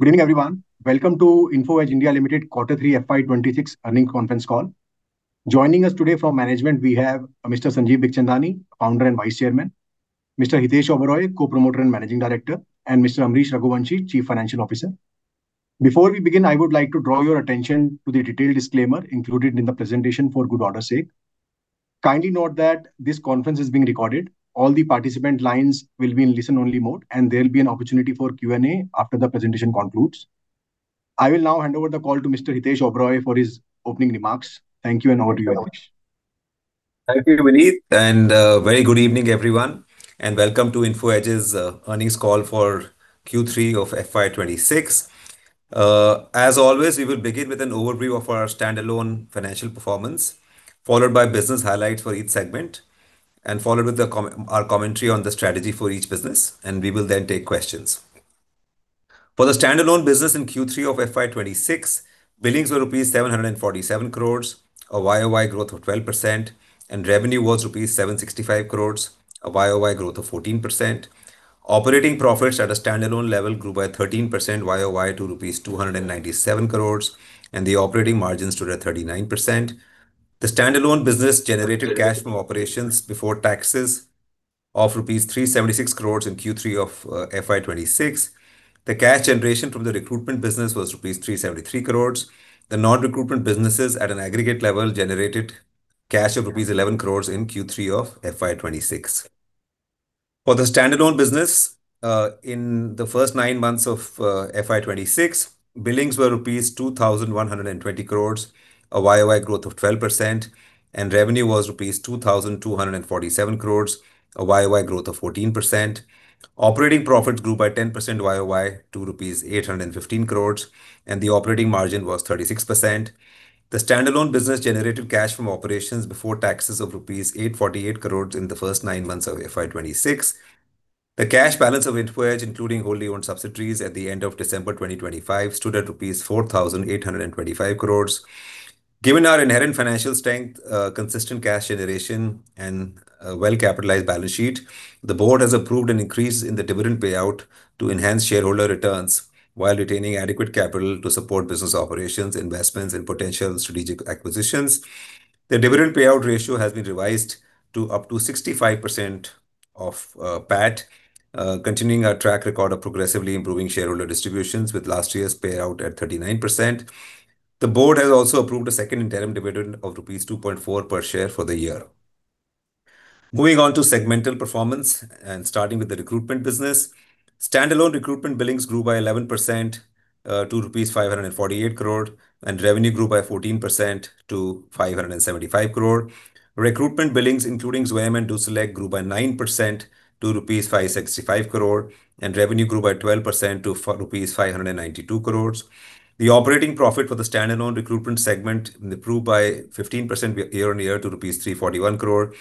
Good evening, everyone. Welcome to Info Edge (India) Limited Quarter Three FY 2026 Earnings Conference Call. Joining us today from management, we have Mr. Sanjeev Bikhchandani, Founder and Vice Chairman, Mr. Hitesh Oberoi, Co-Promoter and Managing Director, and Mr. Ambarish Raghuvanshi, Chief Financial Officer. Before we begin, I would like to draw your attention to the detailed disclaimer included in the presentation for good order's sake. Kindly note that this conference is being recorded. All the participant lines will be in listen-only mode, and there'll be an opportunity for Q&A after the presentation concludes. I will now hand over the call to Mr. Hitesh Oberoi for his opening remarks. Thank you, and over to you, Hitesh. Thank you, Vineet, and very good evening, everyone, and welcome to Info Edge's earnings call for Q3 of FY 2026. As always, we will begin with an overview of our standalone financial performance, followed by business highlights for each segment, and followed with our commentary on the strategy for each business, and we will then take questions. For the standalone business in Q3 of FY 2026, billings were rupees 747 crores, a Y-O-Y growth of 12%, and revenue was rupees 765 crores, a Y-O-Y growth of 14%. Operating profits at a standalone level grew by 13% Y-O-Y to rupees 297 crores, and the operating margin stood at 39%. The standalone business generated cash from operations before taxes of rupees 376 crores in Q3 of FY 2026. The cash generation from the recruitment business was rupees 373 crore. The non-recruitment businesses at an aggregate level generated cash of rupees 11 crore in Q3 of FY 2026. For the standalone business, in the first nine months of FY 2026, billings were rupees 2,120 crore, a Y-O-Y growth of 12%, and revenue was rupees 2,247 crore, a Y-O-Y growth of 14%. Operating profits grew by 10% Y-O-Y to rupees 815 crore, and the operating margin was 36%. The standalone business generated cash from operations before taxes of rupees 848 crore in the first nine months of FY 2026. The cash balance of Info Edge, including wholly owned subsidiaries at the end of December 2025, stood at rupees 4,825 crore. Given our inherent financial strength, consistent cash generation, and a well-capitalized balance sheet, the board has approved an increase in the dividend payout to enhance shareholder returns while retaining adequate capital to support business operations, investments and potential strategic acquisitions. The dividend payout ratio has been revised to up to 65% of PAT, continuing our track record of progressively improving shareholder distributions, with last year's payout at 39%. The board has also approved a second interim dividend of rupees 2.4 per share for the year. Moving on to segmental performance and starting with the recruitment business. Standalone recruitment billings grew by 11%, to rupees 548 crore, and revenue grew by 14% to 575 crore. Recruitment billings, including Zwayam and DoSelect, grew by 9% to rupees 565 crore, and revenue grew by 12% to rupees 592 crore. The operating profit for the standalone recruitment segment improved by 15% year-on-year to rupees 341 crore,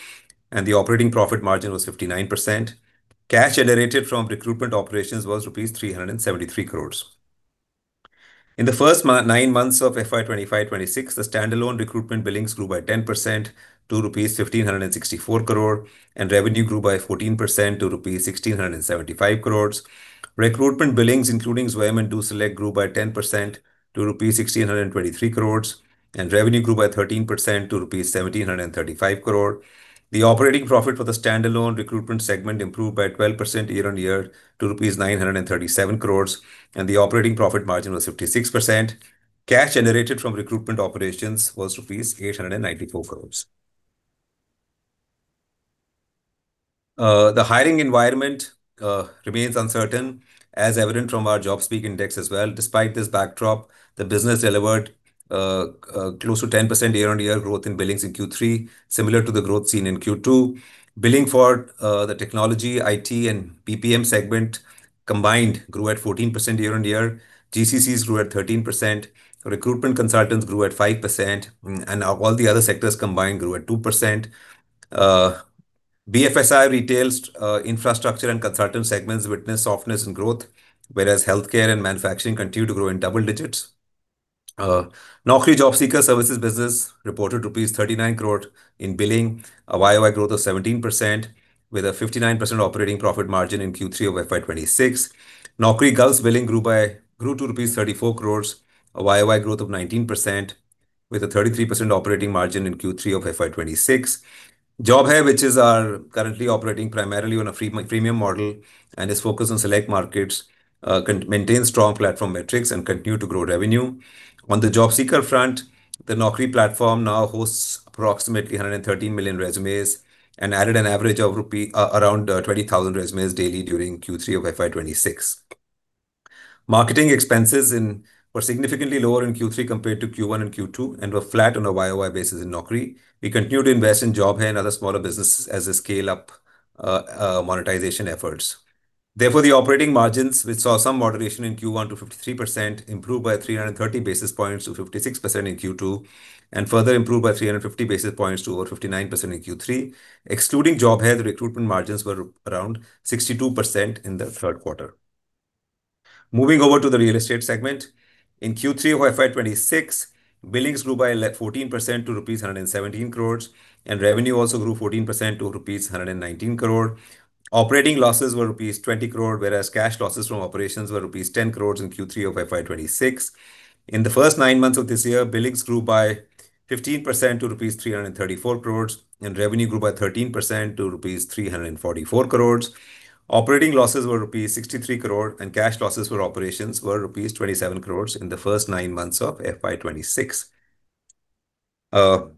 and the operating profit margin was 59%. Cash generated from recruitment operations was rupees 373 crore. In the first nine months of FY 2025-26, the standalone recruitment billings grew by 10% to INR 1,564 crore, and revenue grew by 14% to INR 1,675 crore. Recruitment billings, including Zwayam and DoSelect, grew by 10% to INR 1,623 crore, and revenue grew by 13% to INR 1,735 crore. The operating profit for the standalone recruitment segment improved by 12% year-on-year to rupees 937 crore, and the operating profit margin was 56%. Cash generated from recruitment operations was rupees 894 crore. The hiring environment remains uncertain, as evident from our JobSpeak index as well. Despite this backdrop, the business delivered close to 10% year-on-year growth in billings in Q3, similar to the growth seen in Q2. Billing for the technology, IT, and BPM segment combined grew at 14% year-on-year. GCCs grew at 13%, recruitment consultants grew at 5%, and all the other sectors combined grew at 2%. BFSI, retail, infrastructure, and consultant segments witnessed softness in growth, whereas healthcare and manufacturing continued to grow in double digits. Naukri job seeker services business reported rupees 39 crore in billing, a Y-O-Y growth of 17%, with a 59% operating profit margin in Q3 of FY 2026. Naukri Gulf billing grew to 34 crore rupees, a Y-O-Y growth of 19%, with a 33% operating margin in Q3 of FY 2026. JobHai, which is currently operating primarily on a freemium model and is focused on select markets, maintains strong platform metrics and continue to grow revenue. On the job seeker front, the Naukri platform now hosts approximately 113 million resumes and added an average of around 20,000 resumes daily during Q3 of FY 2026. Marketing expenses were significantly lower in Q3 compared to Q1 and Q2, and were flat on a Y-O-Y basis in Naukri. We continue to invest in JobHai and other smaller businesses as they scale up, monetization efforts. Therefore, the operating margins, which saw some moderation in Q1 to 53%, improved by 330 basis points to 56% in Q2, and further improved by 350 basis points to over 59% in Q3. Excluding JobHai, the recruitment margins were around 62% in the third quarter. Moving over to the Real Estate segment. In Q3 of FY 2026, billings grew by 14% to rupees 117 crore, and revenue also grew 14% to rupees 119 crore. Operating losses were rupees 20 crore, whereas cash losses from operations were rupees 10 crore in Q3 of FY 2026. In the first nine months of this year, billings grew by 15% to rupees 334 crore, and revenue grew by 13% to rupees 344 crore. Operating losses were rupees 63 crore, and cash losses for operations were rupees 27 crore in the first nine months of FY 2026. The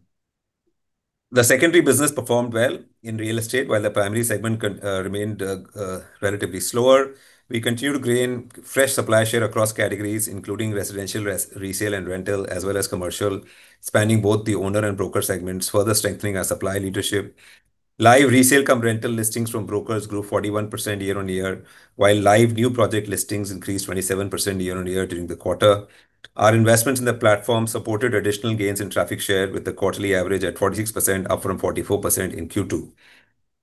secondary business performed well in real estate, while the primary segment continued to remain relatively slower. We continued to gain fresh supply share across categories, including residential, resale, and rental, as well as commercial, spanning both the owner and broker segments, further strengthening our supply leadership. Live resale cum rental listings from brokers grew 41% year-on-year, while live new project listings increased 27% year-on-year during the quarter. Our investments in the platform supported additional gains in traffic share, with the quarterly average at 46%, up from 44% in Q2.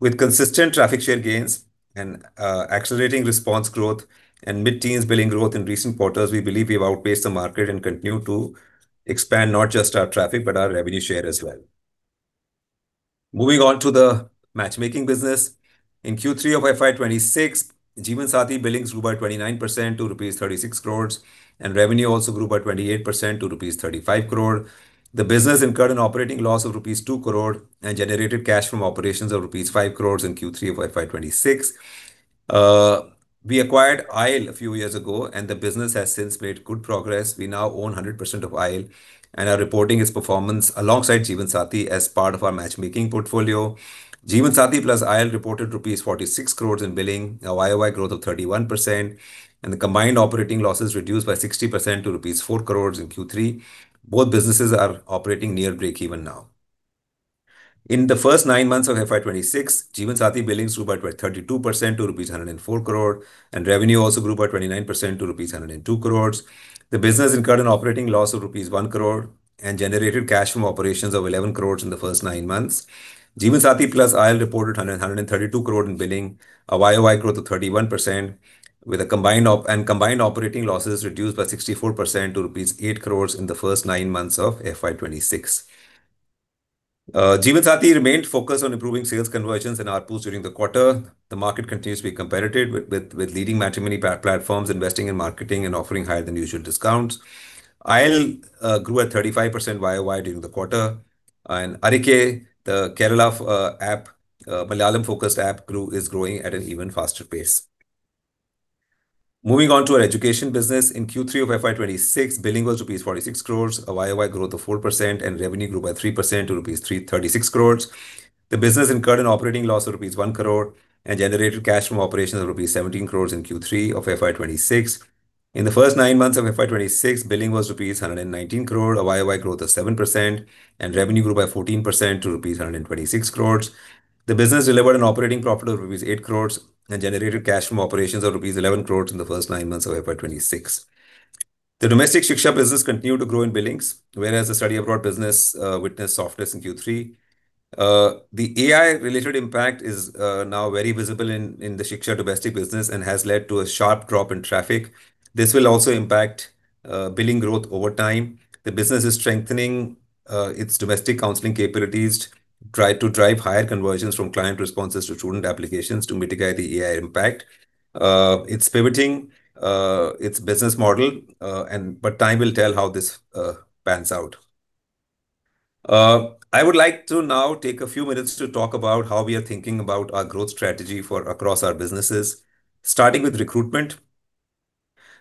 With consistent traffic share gains and accelerating response growth and mid-teens billing growth in recent quarters, we believe we've outpaced the market and continue to expand not just our traffic, but our revenue share as well. Moving on to the matchmaking business. In Q3 of FY 2026, Jeevansathi billings grew by 29% to rupees 36 crore, and revenue also grew by 28% to rupees 35 crore. The business incurred an operating loss of rupees 2 crore and generated cash from operations of rupees 5 crore in Q3 of FY 2026. We acquired Aisle a few years ago, and the business has since made good progress. We now own 100% of Aisle and are reporting its performance alongside Jeevansathi as part of our matchmaking portfolio. Jeevansathi plus Aisle reported rupees 46 crore in billing, a Y-O-Y growth of 31%, and the combined operating losses reduced by 60% to rupees 4 crore in Q3. Both businesses are operating near breakeven now. In the first nine months of FY 2026, Jeevansathi billings grew by 32% to rupees 104 crore, and revenue also grew by 29% to rupees 102 crore. The business incurred an operating loss of rupees 1 crore and generated cash from operations of 11 crore in the first nine months. Jeevansathi plus Aisle reported 132 crore in billing, a YOY growth of 31%, with combined operating losses reduced by 64% to rupees 8 crore in the first nine months of FY 2026. Jeevansathi remained focused on improving sales conversions and ARPU during the quarter. The market continues to be competitive with leading matrimony platforms investing in marketing and offering higher-than-usual discounts. Aisle grew at 35% Y-O-Y during the quarter. And Arike, the Kerala app, Malayalam-focused app, is growing at an even faster pace. Moving on to our education business. In Q3 of FY 2026, billing was rupees 46 crores, a YOY growth of 4%, and revenue grew by 3% to rupees 336 crores. The business incurred an operating loss of rupees 1 crore and generated cash from operations of rupees 17 crores in Q3 of FY 2026. In the first nine months of FY 2026, billing was rupees 119 crore, a YOY growth of 7%, and revenue grew by 14% to rupees 126 crores. The business delivered an operating profit of rupees 8 crores and generated cash from operations of rupees 11 crores in the first nine months of FY 2026. The domestic Shiksha business continued to grow in billings, whereas the study abroad business witnessed softness in Q3. The AI-related impact is now very visible in the Shiksha domestic business and has led to a sharp drop in traffic. This will also impact billing growth over time. The business is strengthening its domestic counseling capabilities, try to drive higher conversions from client responses to student applications to mitigate the AI impact. It's pivoting its business model, and but time will tell how this pans out. I would like to now take a few minutes to talk about how we are thinking about our growth strategy for across our businesses, starting with recruitment.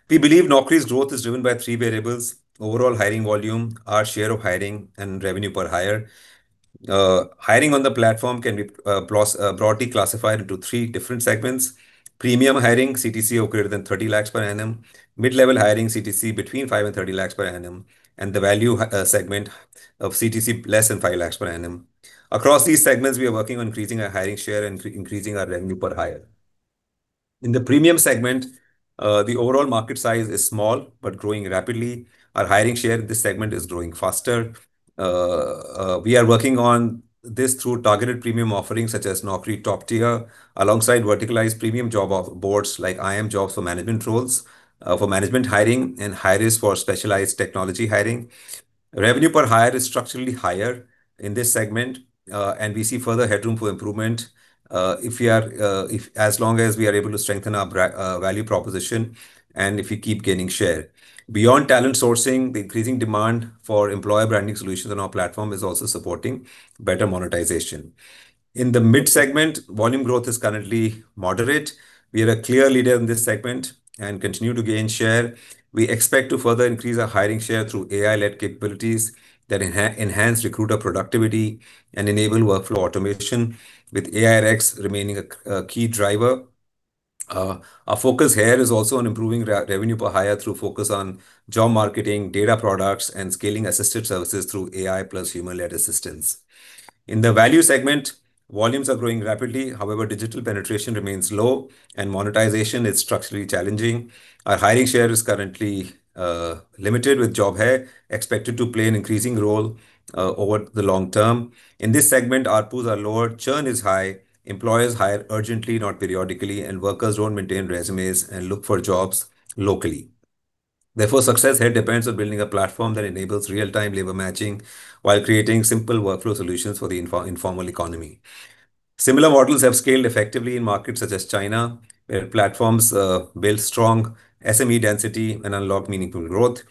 We believe Naukri's growth is driven by three variables: overall hiring volume, our share of hiring, and revenue per hire. Hiring on the platform can be broadly classified into three different segments: premium hiring, CTC of greater than 30 lakhs per annum; mid-level hiring, CTC between 5-30 lakhs per annum; and the value segment of CTC less than 5 lakhs per annum. Across these segments, we are working on increasing our hiring share and increasing our revenue per hire. In the premium segment, the overall market size is small but growing rapidly. Our hiring share in this segment is growing faster. We are working on this through targeted premium offerings such as Naukri Top Tier, alongside verticalized premium job boards like IIMJobs for management roles, for management hiring, and Hirist for specialized technology hiring. Revenue per hire is structurally higher in this segment, and we see further headroom for improvement if as long as we are able to strengthen our brand value proposition, and if we keep gaining share. Beyond talent sourcing, the increasing demand for employer branding solutions on our platform is also supporting better monetization. In the mid segment, volume growth is currently moderate. We are a clear leader in this segment and continue to gain share. We expect to further increase our hiring share through AI-led capabilities that enhance recruiter productivity and enable workflow automation, with Resdex remaining a key driver. Our focus here is also on improving revenue per hire through focus on job marketing, data products, and scaling assisted services through AI plus human-led assistance. In the value segment, volumes are growing rapidly. However, digital penetration remains low, and monetization is structurally challenging. Our hiring share is currently limited, with JobHai expected to play an increasing role over the long term. In this segment, ARPUs are lower, churn is high, employers hire urgently, not periodically, and workers don't maintain resumes and look for jobs locally. Therefore, success here depends on building a platform that enables real-time labor matching while creating simple workflow solutions for the informal economy. Similar models have scaled effectively in markets such as China, where platforms build strong SME density and unlock meaningful growth.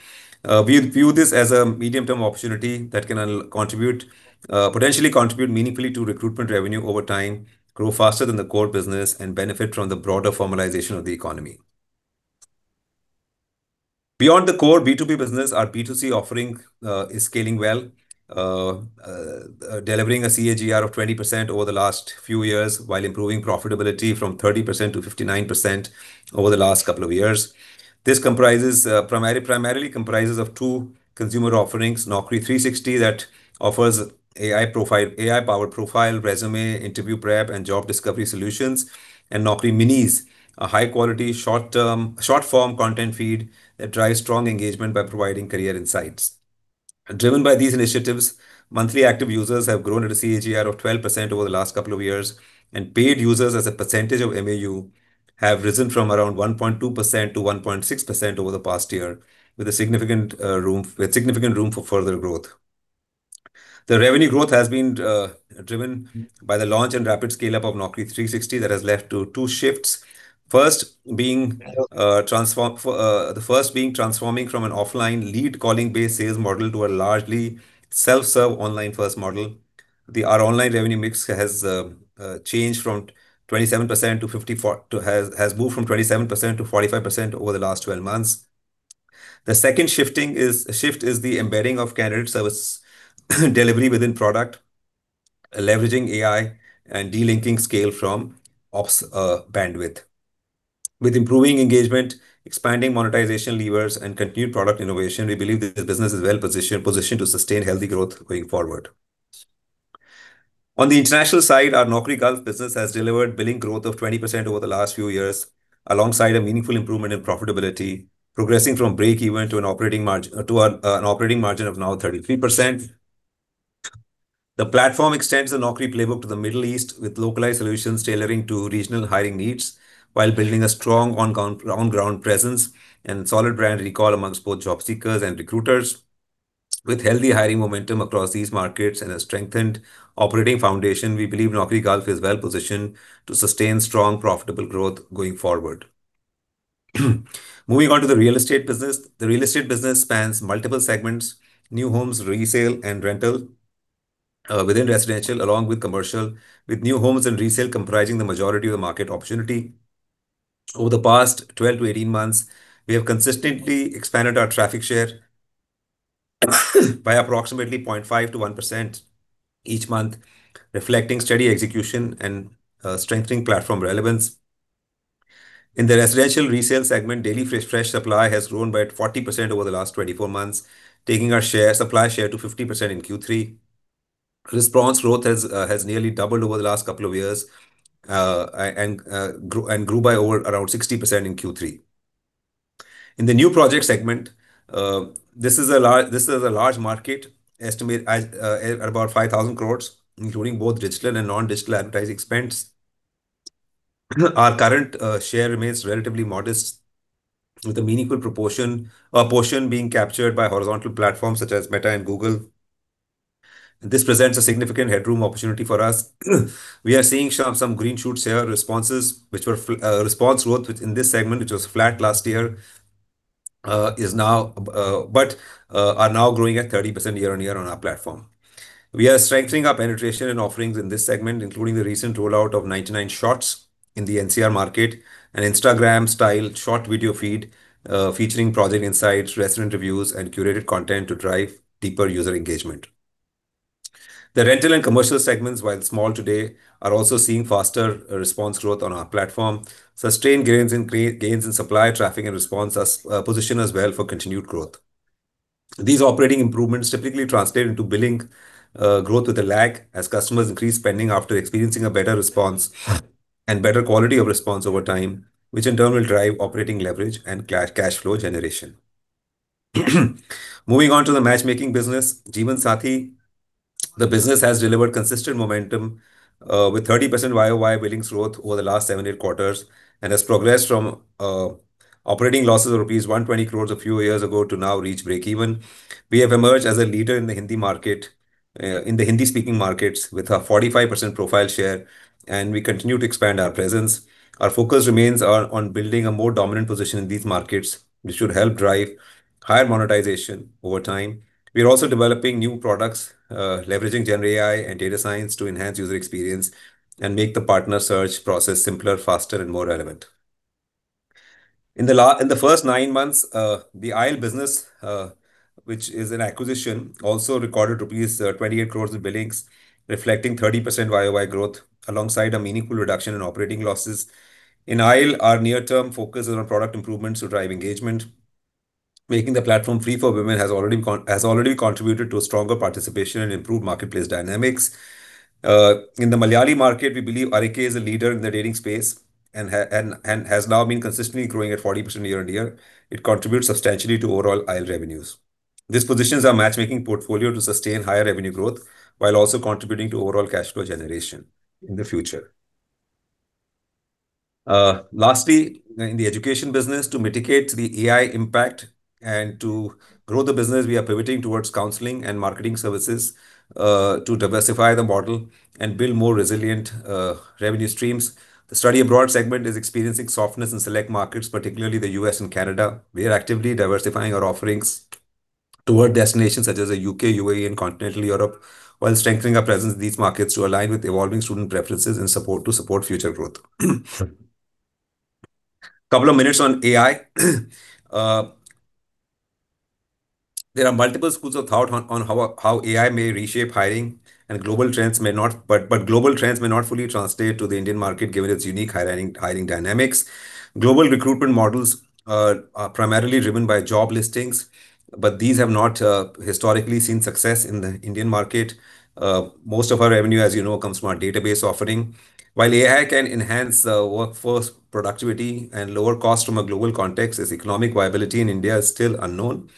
We view this as a medium-term opportunity that can contribute, potentially contribute meaningfully to recruitment revenue over time, grow faster than the core business, and benefit from the broader formalization of the economy. Beyond the core B2B business, our B2C offering is scaling well, delivering a CAGR of 20% over the last few years, while improving profitability from 30% to 59% over the last couple of years. This primarily comprises of two consumer offerings: Naukri 360, that offers AI-powered profile, resume, interview prep, and job discovery solutions. And Naukri Minis, a high-quality, short-form content feed that drives strong engagement by providing career insights. Driven by these initiatives, monthly active users have grown at a CAGR of 12% over the last couple of years, and paid users as a percentage of MAU have risen from around 1.2% to 1.6% over the past year, with significant room for further growth. The revenue growth has been driven by the launch and rapid scale-up of Naukri 360, that has led to two shifts. First, the first being transforming from an offline lead-calling-based sales model to a largely self-serve, online-first model. Our online revenue mix has changed from 27% to 45% over the last 12 months. The second shift is the embedding of candidate service delivery within product, leveraging AI and de-linking scale from ops bandwidth. With improving engagement, expanding monetization levers, and continued product innovation, we believe that the business is well-positioned to sustain healthy growth going forward. On the international side, our Naukri Gulf business has delivered billing growth of 20% over the last few years, alongside a meaningful improvement in profitability, progressing from break-even to an operating margin of now 33%. The platform extends the Naukri playbook to the Middle East, with localized solutions tailoring to regional hiring needs, while building a strong on-ground presence and solid brand recall amongst both job seekers and recruiters. With healthy hiring momentum across these markets and a strengthened operating foundation, we believe Naukri Gulf is well positioned to sustain strong, profitable growth going forward. Moving on to the real estate business. The real estate business spans multiple segments: new homes, resale, and rental within residential, along with commercial, with new homes and resale comprising the majority of the market opportunity. Over the past 12-18 months, we have consistently expanded our traffic share by approximately 0.5%-1% each month, reflecting steady execution and strengthening platform relevance. In the residential resale segment, daily fresh supply has grown by 40% over the last 24 months, taking our supply share to 50% in Q3. Response growth has nearly doubled over the last couple of years and grew by over around 60% in Q3. In the New Project segment, this is a large market, estimated at about 5,000 crore, including both digital and non-digital advertising spends. Our current share remains relatively modest, with a meaningful portion being captured by horizontal platforms such as Meta and Google. This presents a significant headroom opportunity for us. We are seeing some green shoots here, response growth within this segment, which was flat last year, is now growing at 30% year-on-year on our platform. We are strengthening our penetration and offerings in this segment, including the recent rollout of 99 Shots in the NCR market, an Instagram-style short video feed featuring project insights, restaurant reviews, and curated content to drive deeper user engagement. The Rental and Commercial segments, while small today, are also seeing faster response growth on our platform. Sustained gains in supply, traffic, and response position us well for continued growth. These operating improvements typically translate into billing growth with a lag, as customers increase spending after experiencing a better response and better quality of response over time, which in turn will drive operating leverage and cash flow generation. Moving on to the matchmaking business, Jeevansathi. The business has delivered consistent momentum with 30% Y-O-Y billings growth over the last seven to eight quarters, and has progressed from operating losses of rupees 120 crores a few years ago to now reach break even. We have emerged as a leader in the Hindi market, in the Hindi-speaking markets, with a 45% profile share, and we continue to expand our presence. Our focus remains on building a more dominant position in these markets, which should help drive higher monetization over time. We are also developing new products, leveraging GenAI and data science to enhance user experience and make the partner search process simpler, faster, and more relevant. In the first nine months, the Aisle business, which is an acquisition, also recorded rupees 28 crore in billings, reflecting 30% Y-O-Y growth, alongside a meaningful reduction in operating losses. In Aisle, our near-term focus is on product improvements to drive engagement. Making the platform free for women has already contributed to a stronger participation and improved marketplace dynamics. In the Malayali market, we believe Arike is a leader in the dating space, and has now been consistently growing at 40% year-over-year. It contributes substantially to overall Aisle revenues. This positions our matchmaking portfolio to sustain higher revenue growth, while also contributing to overall cash flow generation in the future. Lastly, in the education business, to mitigate the AI impact and to grow the business, we are pivoting toward counseling and marketing services, to diversify the model and build more resilient, revenue streams. The study abroad segment is experiencing softness in select markets, particularly the U.S. and Canada. We are actively diversifying our offerings toward destinations such as the U.K., UAE, and Continental Europe, while strengthening our presence in these markets to align with evolving student preferences and support, to support future growth. Couple of minutes on AI. There are multiple schools of thought on how AI may reshape hiring, and global trends may not, but global trends may not fully translate to the Indian market, given its unique hiring dynamics. Global recruitment models are primarily driven by job listings, but these have not historically seen success in the Indian market. Most of our revenue, as you know, comes from our database offering. While AI can enhance the workforce productivity and lower costs from a global context, its economic viability in India is still unknown.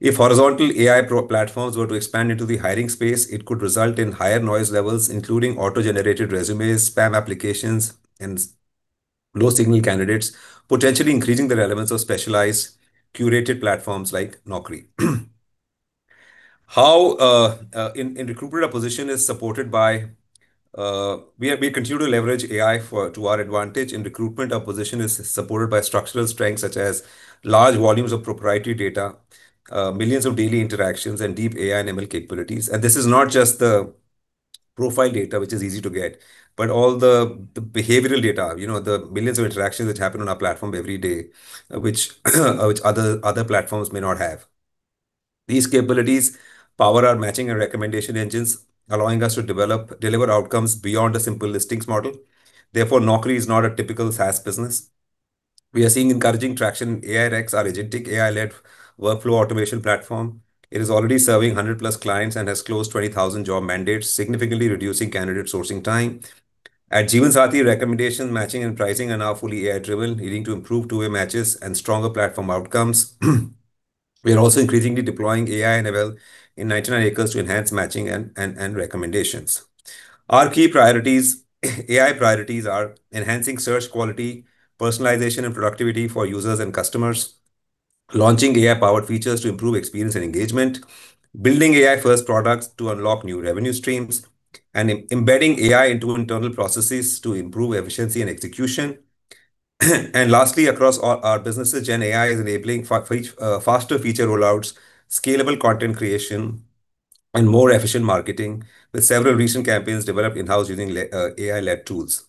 If horizontal AI platforms were to expand into the hiring space, it could result in higher noise levels, including auto-generated resumes, spam applications, and low-signal candidates, potentially increasing the relevance of specialized, curated platforms like Naukri. We continue to leverage AI to our advantage. In recruitment, our position is supported by structural strengths such as large volumes of proprietary data, millions of daily interactions, and deep AI and ML capabilities. This is not just the profile data, which is easy to get, but all the behavioral data, you know, the millions of interactions that happen on our platform every day, which other platforms may not have. These capabilities power our matching and recommendation engines, allowing us to deliver outcomes beyond a simple listings model. Therefore, Naukri is not a typical SaaS business. We are seeing encouraging traction in Resdex, our agentic AI-led workflow automation platform. It is already serving 100+ clients and has closed 20,000 job mandates, significantly reducing candidate sourcing time. At Jeevansathi, recommendation, matching, and pricing are now fully AI-driven, leading to improved two-way matches and stronger platform outcomes. We are also increasingly deploying AI and ML in 99acres to enhance matching and recommendations. Our key priorities, AI priorities are enhancing search quality, personalization, and productivity for users and customers, launching AI-powered features to improve experience and engagement, building AI-first products to unlock new revenue streams, and embedding AI into internal processes to improve efficiency and execution. Lastly, across all our businesses, GenAI is enabling faster feature rollouts, scalable content creation, and more efficient marketing, with several recent campaigns developed in-house using AI-led tools.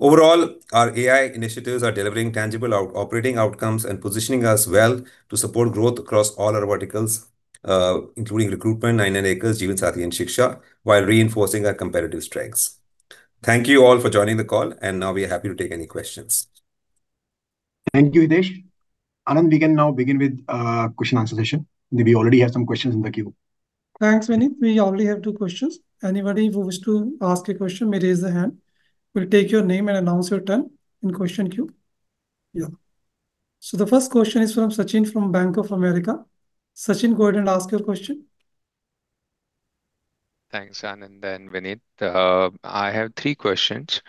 Overall, our AI initiatives are delivering tangible operating outcomes and positioning us well to support growth across all our verticals, including recruitment, 99acres, Jeevansathi, and Shiksha, while reinforcing our competitive strengths. Thank you all for joining the call, and now we are happy to take any questions. Thank you, Hitesh. Anand, we can now begin with question and answer session. We already have some questions in the queue. Thanks, Vineet. We already have two questions. Anybody who wish to ask a question may raise their hand. We'll take your name and announce your turn in question queue. Yeah. So the first question is from Sachin, from Bank of America. Sachin, go ahead and ask your question. Thanks, Anand, and Vineet. I have three questions.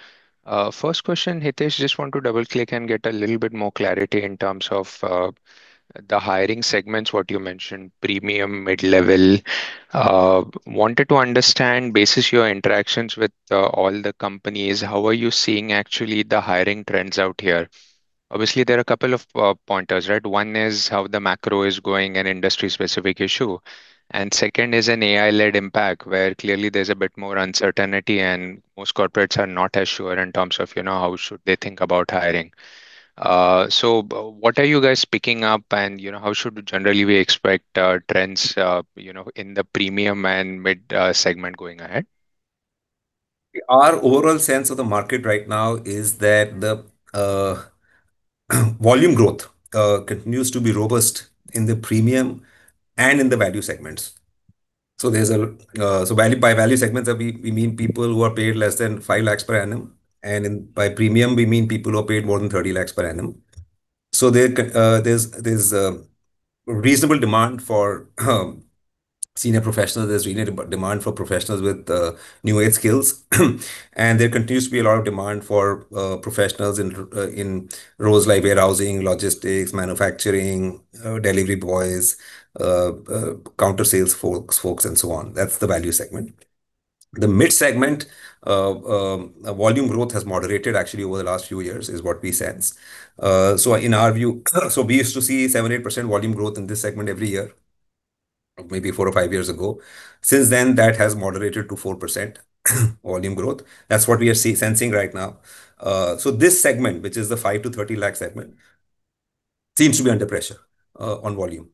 First question, Hitesh: just want to double-click and get a little bit more clarity in terms of the hiring segments, what you mentioned, premium, mid-level. Wanted to understand, basis your interactions with all the companies, how are you seeing actually the hiring trends out here? Obviously, there are a couple of pointers, right? One is how the macro is going and industry-specific issue. And second is an AI-led impact, where clearly there's a bit more uncertainty, and most corporates are not as sure in terms of, you know, how should they think about hiring. So what are you guys picking up? And, you know, how should generally we expect trends, you know, in the premium and mid segment going ahead? Our overall sense of the market right now is that the volume growth continues to be robust in the premium and in the value segments. By value segments, we mean people who are paid less than 5 lakhs per annum, and by premium, we mean people who are paid more than 30 lakhs per annum. So there's reasonable demand for senior professionals. There's really demand for professionals with new-age skills. And there continues to be a lot of demand for professionals in roles like warehousing, logistics, manufacturing, delivery boys, counter sales folks, and so on. That's the value segment. The mid segment volume growth has moderated actually over the last few years, is what we sense. In our view, we used to see 7%-8% volume growth in this segment every year, maybe four or five years ago. Since then, that has moderated to 4% volume growth. That's what we are sensing right now. So this segment, which is the 5-30 lakh segment, seems to be under pressure, on volume.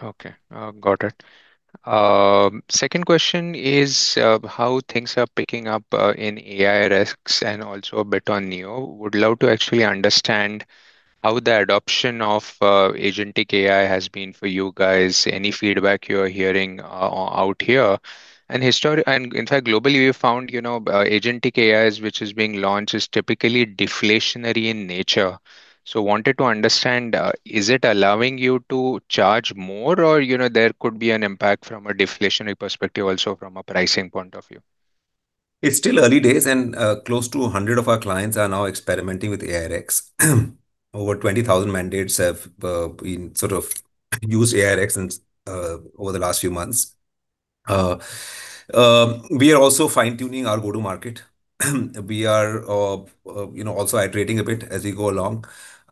Okay, got it. Second question is: How things are picking up in Resdex and also a bit on Neo? Would love to actually understand how the adoption of Agentic AI has been for you guys. Any feedback you are hearing out here? And in fact, globally, we found, you know, Agentic AIs, which is being launched, is typically deflationary in nature. So wanted to understand: Is it allowing you to charge more or, you know, there could be an impact from a deflationary perspective, also from a pricing point of view? It's still early days, and close to 100 of our clients are now experimenting with Resdex. Over 20,000 mandates have been sort of used Resdex since over the last few months. We are also fine-tuning our go-to-market. We are, you know, also iterating a bit as we go along.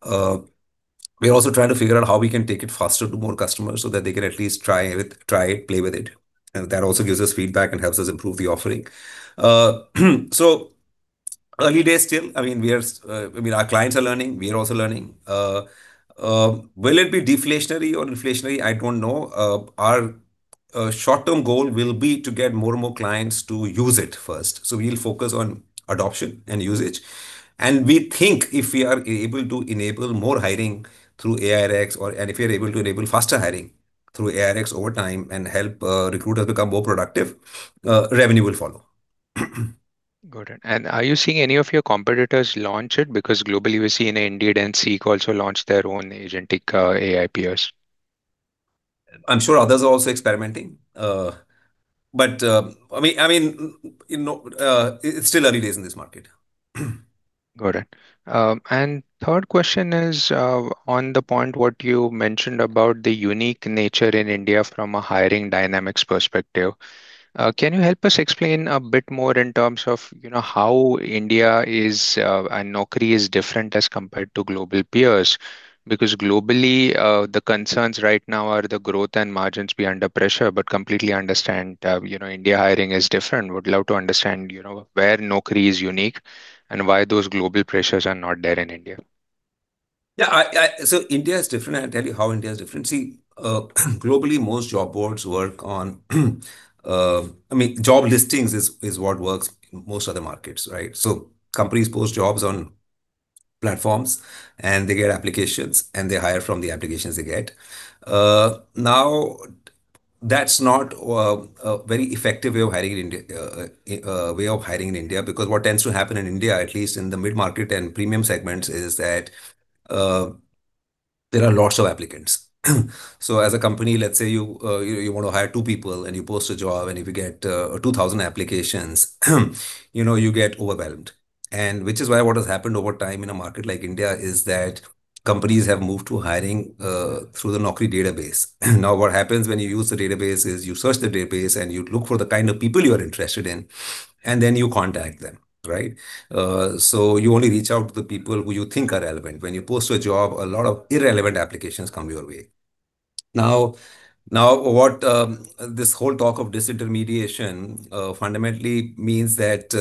We are also trying to figure out how we can take it faster to more customers so that they can at least try it, try it, play with it, and that also gives us feedback and helps us improve the offering. So early days still. I mean, our clients are learning. We are also learning. Will it be deflationary or inflationary? I don't know. Our short-term goal will be to get more and more clients to use it first. So we'll focus on adoption and usage. We think if we are able to enable more hiring through Resdex and if we are able to enable faster hiring through Resdex over time and help recruiters become more productive, revenue will follow. Got it. And are you seeing any of your competitors launch it? Because globally we're seeing Indeed and Seek also launch their own agentic AIs. I'm sure others are also experimenting. But, I mean, I mean, you know, it's still early days in this market. Got it. And third question is, on the point what you mentioned about the unique nature in India from a hiring dynamics perspective. Can you help us explain a bit more in terms of, you know, how India is, and Naukri is different as compared to global peers? Because globally, the concerns right now are the growth and margins be under pressure, but completely understand, you know, India hiring is different. Would love to understand, you know, where Naukri is unique and why those global pressures are not there in India. Yeah, so India is different, and I'll tell you how India is different. See, globally, most job boards work on—I mean, job listings is what works in most other markets, right? So companies post jobs on platforms, and they get applications, and they hire from the applications they get. Now, that's not a very effective way of hiring in India, because what tends to happen in India, at least in the mid-market and premium segments, is that there are lots of applicants. So as a company, let's say you want to hire two people, and you post a job, and if you get 2,000 applications, you know, you get overwhelmed. And which is why what has happened over time in a market like India is that companies have moved to hiring through the Naukri database. Now, what happens when you use the database is you search the database, and you look for the kind of people you are interested in, and then you contact them, right? So you only reach out to the people who you think are relevant. When you post a job, a lot of irrelevant applications come your way. Now, what this whole talk of disintermediation fundamentally means that,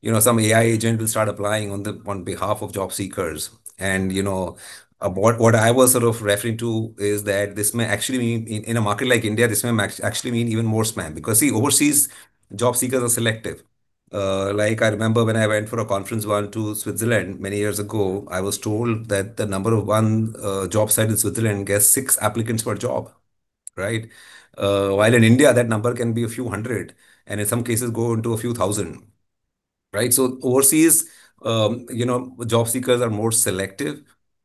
you know, some AI agent will start applying on behalf of job seekers. And, you know, what I was sort of referring to is that this may actually mean, in a market like India, this may actually mean even more spam. Because, see, overseas job seekers are selective. Like, I remember when I went for a conference once to Switzerland many years ago, I was told that the number one job site in Switzerland gets six applicants per job, right? While in India, that number can be a few hundred, and in some cases go into a few thousand. Right? So overseas, you know, job seekers are more selective,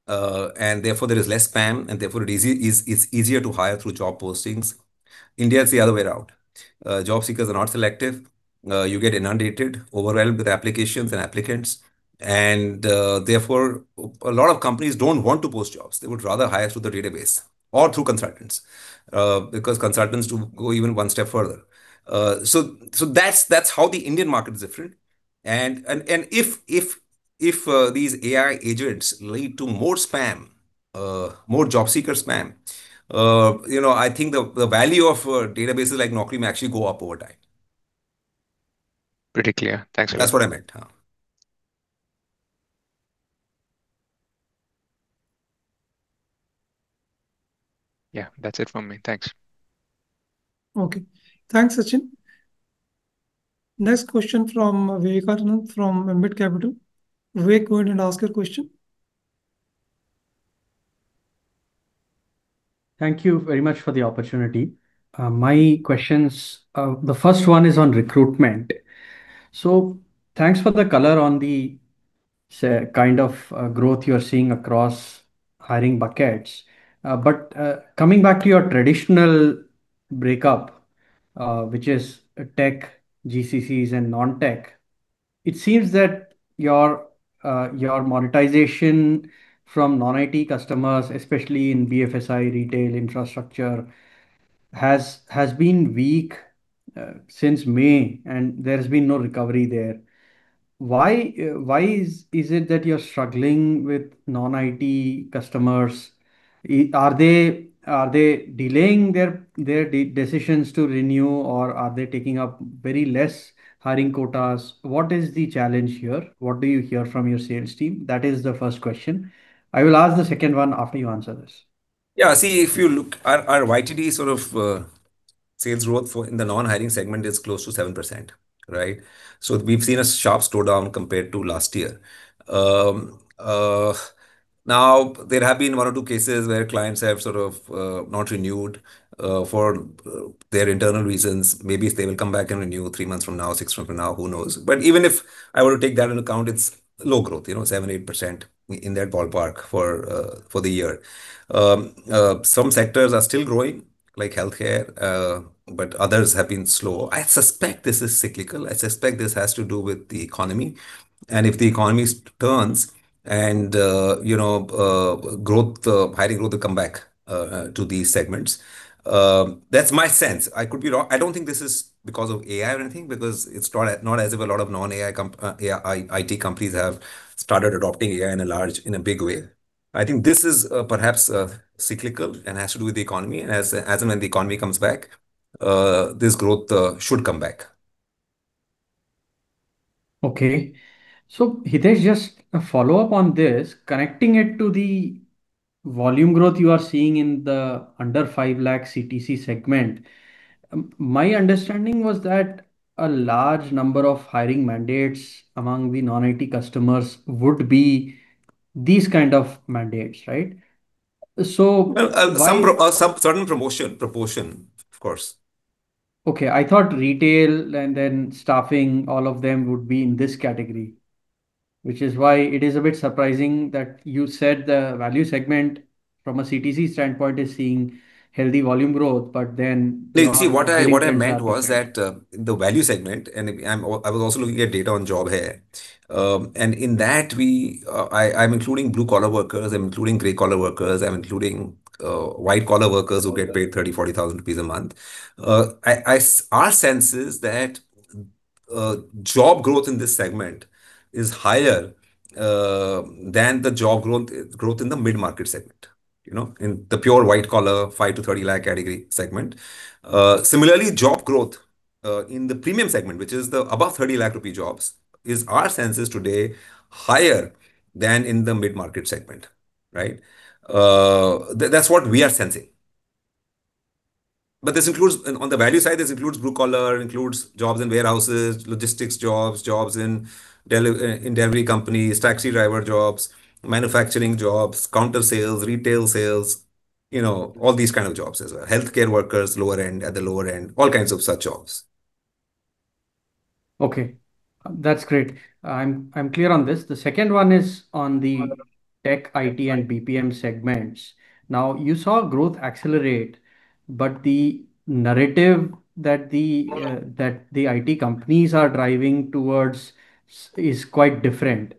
and therefore there is less spam, and therefore it's easier to hire through job postings. India, it's the other way around. Job seekers are not selective. You get inundated, overwhelmed with applications and applicants, and therefore, a lot of companies don't want to post jobs. They would rather hire through the database or through consultants, because consultants do go even one step further. So, that's how the Indian market is different. And if these AI agents lead to more spam, more job seeker spam, you know, I think the value of databases like Naukri may actually go up over time. Pretty clear. Thanks a lot. That's what I meant. Yeah. Yeah. That's it from me. Thanks. Okay. Thanks, Sachin. Next question from Vivekanand from Ambit Capital. Vivek, go ahead and ask your question. Thank you very much for the opportunity. My questions, the first one is on recruitment. So thanks for the color on the kind of growth you're seeing across hiring buckets. But coming back to your traditional breakup, which is tech, GCCs, and non-tech, it seems that your monetization from non-IT customers, especially in BFSI, retail, infrastructure, has been weak since May, and there's been no recovery there. Why is it that you're struggling with non-IT customers? Are they delaying their decisions to renew, or are they taking up very less hiring quotas? What is the challenge here? What do you hear from your sales team? That is the first question. I will ask the second one after you answer this. Yeah. See, if you look, our YTD sort of sales growth in the non-hiring segment is close to 7%, right? So we've seen a sharp slowdown compared to last year. Now, there have been one or two cases where clients have sort of not renewed for their internal reasons. Maybe they will come back and renew three months from now, six months from now, who knows? But even if I were to take that into account, it's low growth, you know, 7%-8%, in that ballpark for the year. Some sectors are still growing like healthcare, but others have been slow. I suspect this is cyclical. I suspect this has to do with the economy, and if the economy turns and, you know, the hiring growth will come back to these segments. That's my sense. I could be wrong. I don't think this is because of AI or anything, because it's not as if a lot of non-AI, AI, IT companies have started adopting AI in a big way. I think this is perhaps cyclical and has to do with the economy, and as and when the economy comes back, this growth should come back. Okay. So Hitesh, just a follow-up on this, connecting it to the volume growth you are seeing in the under 5 lakh CTC segment. My understanding was that a large number of hiring mandates among the non-IT customers would be these kind of mandates, right? Well, some proportion, of course. Okay, I thought retail and then staffing, all of them would be in this category, which is why it is a bit surprising that you said the value segment from a CTC standpoint is seeing healthy volume growth, but then. See, what I meant was that, the value segment, and I was also looking at data on JobHai. And in that I'm including blue-collar workers, I'm including gray-collar workers, I'm including white-collar workers who get paid 30,000-40,000 rupees a month. Our sense is that job growth in this segment is higher than the job growth in the mid-market segment. You know, in the pure white-collar, 5-30 lakh category segment. Similarly, job growth in the premium segment, which is the above 30 lakh rupee jobs, is our senses today higher than in the mid-market segment, right? That's what we are sensing. But this includes and on the value side, this includes blue-collar, includes jobs in warehouses, logistics jobs, jobs in delivery companies, taxi driver jobs, manufacturing jobs, counter sales, retail sales, you know, all these kind of jobs as well. Healthcare workers, lower-end, at the lower end. All kinds of such jobs. Okay, that's great. I'm clear on this. The second one is on the tech, IT, and BPM segments. Now, you saw growth accelerate, but the narrative that the IT companies are driving towards is quite different.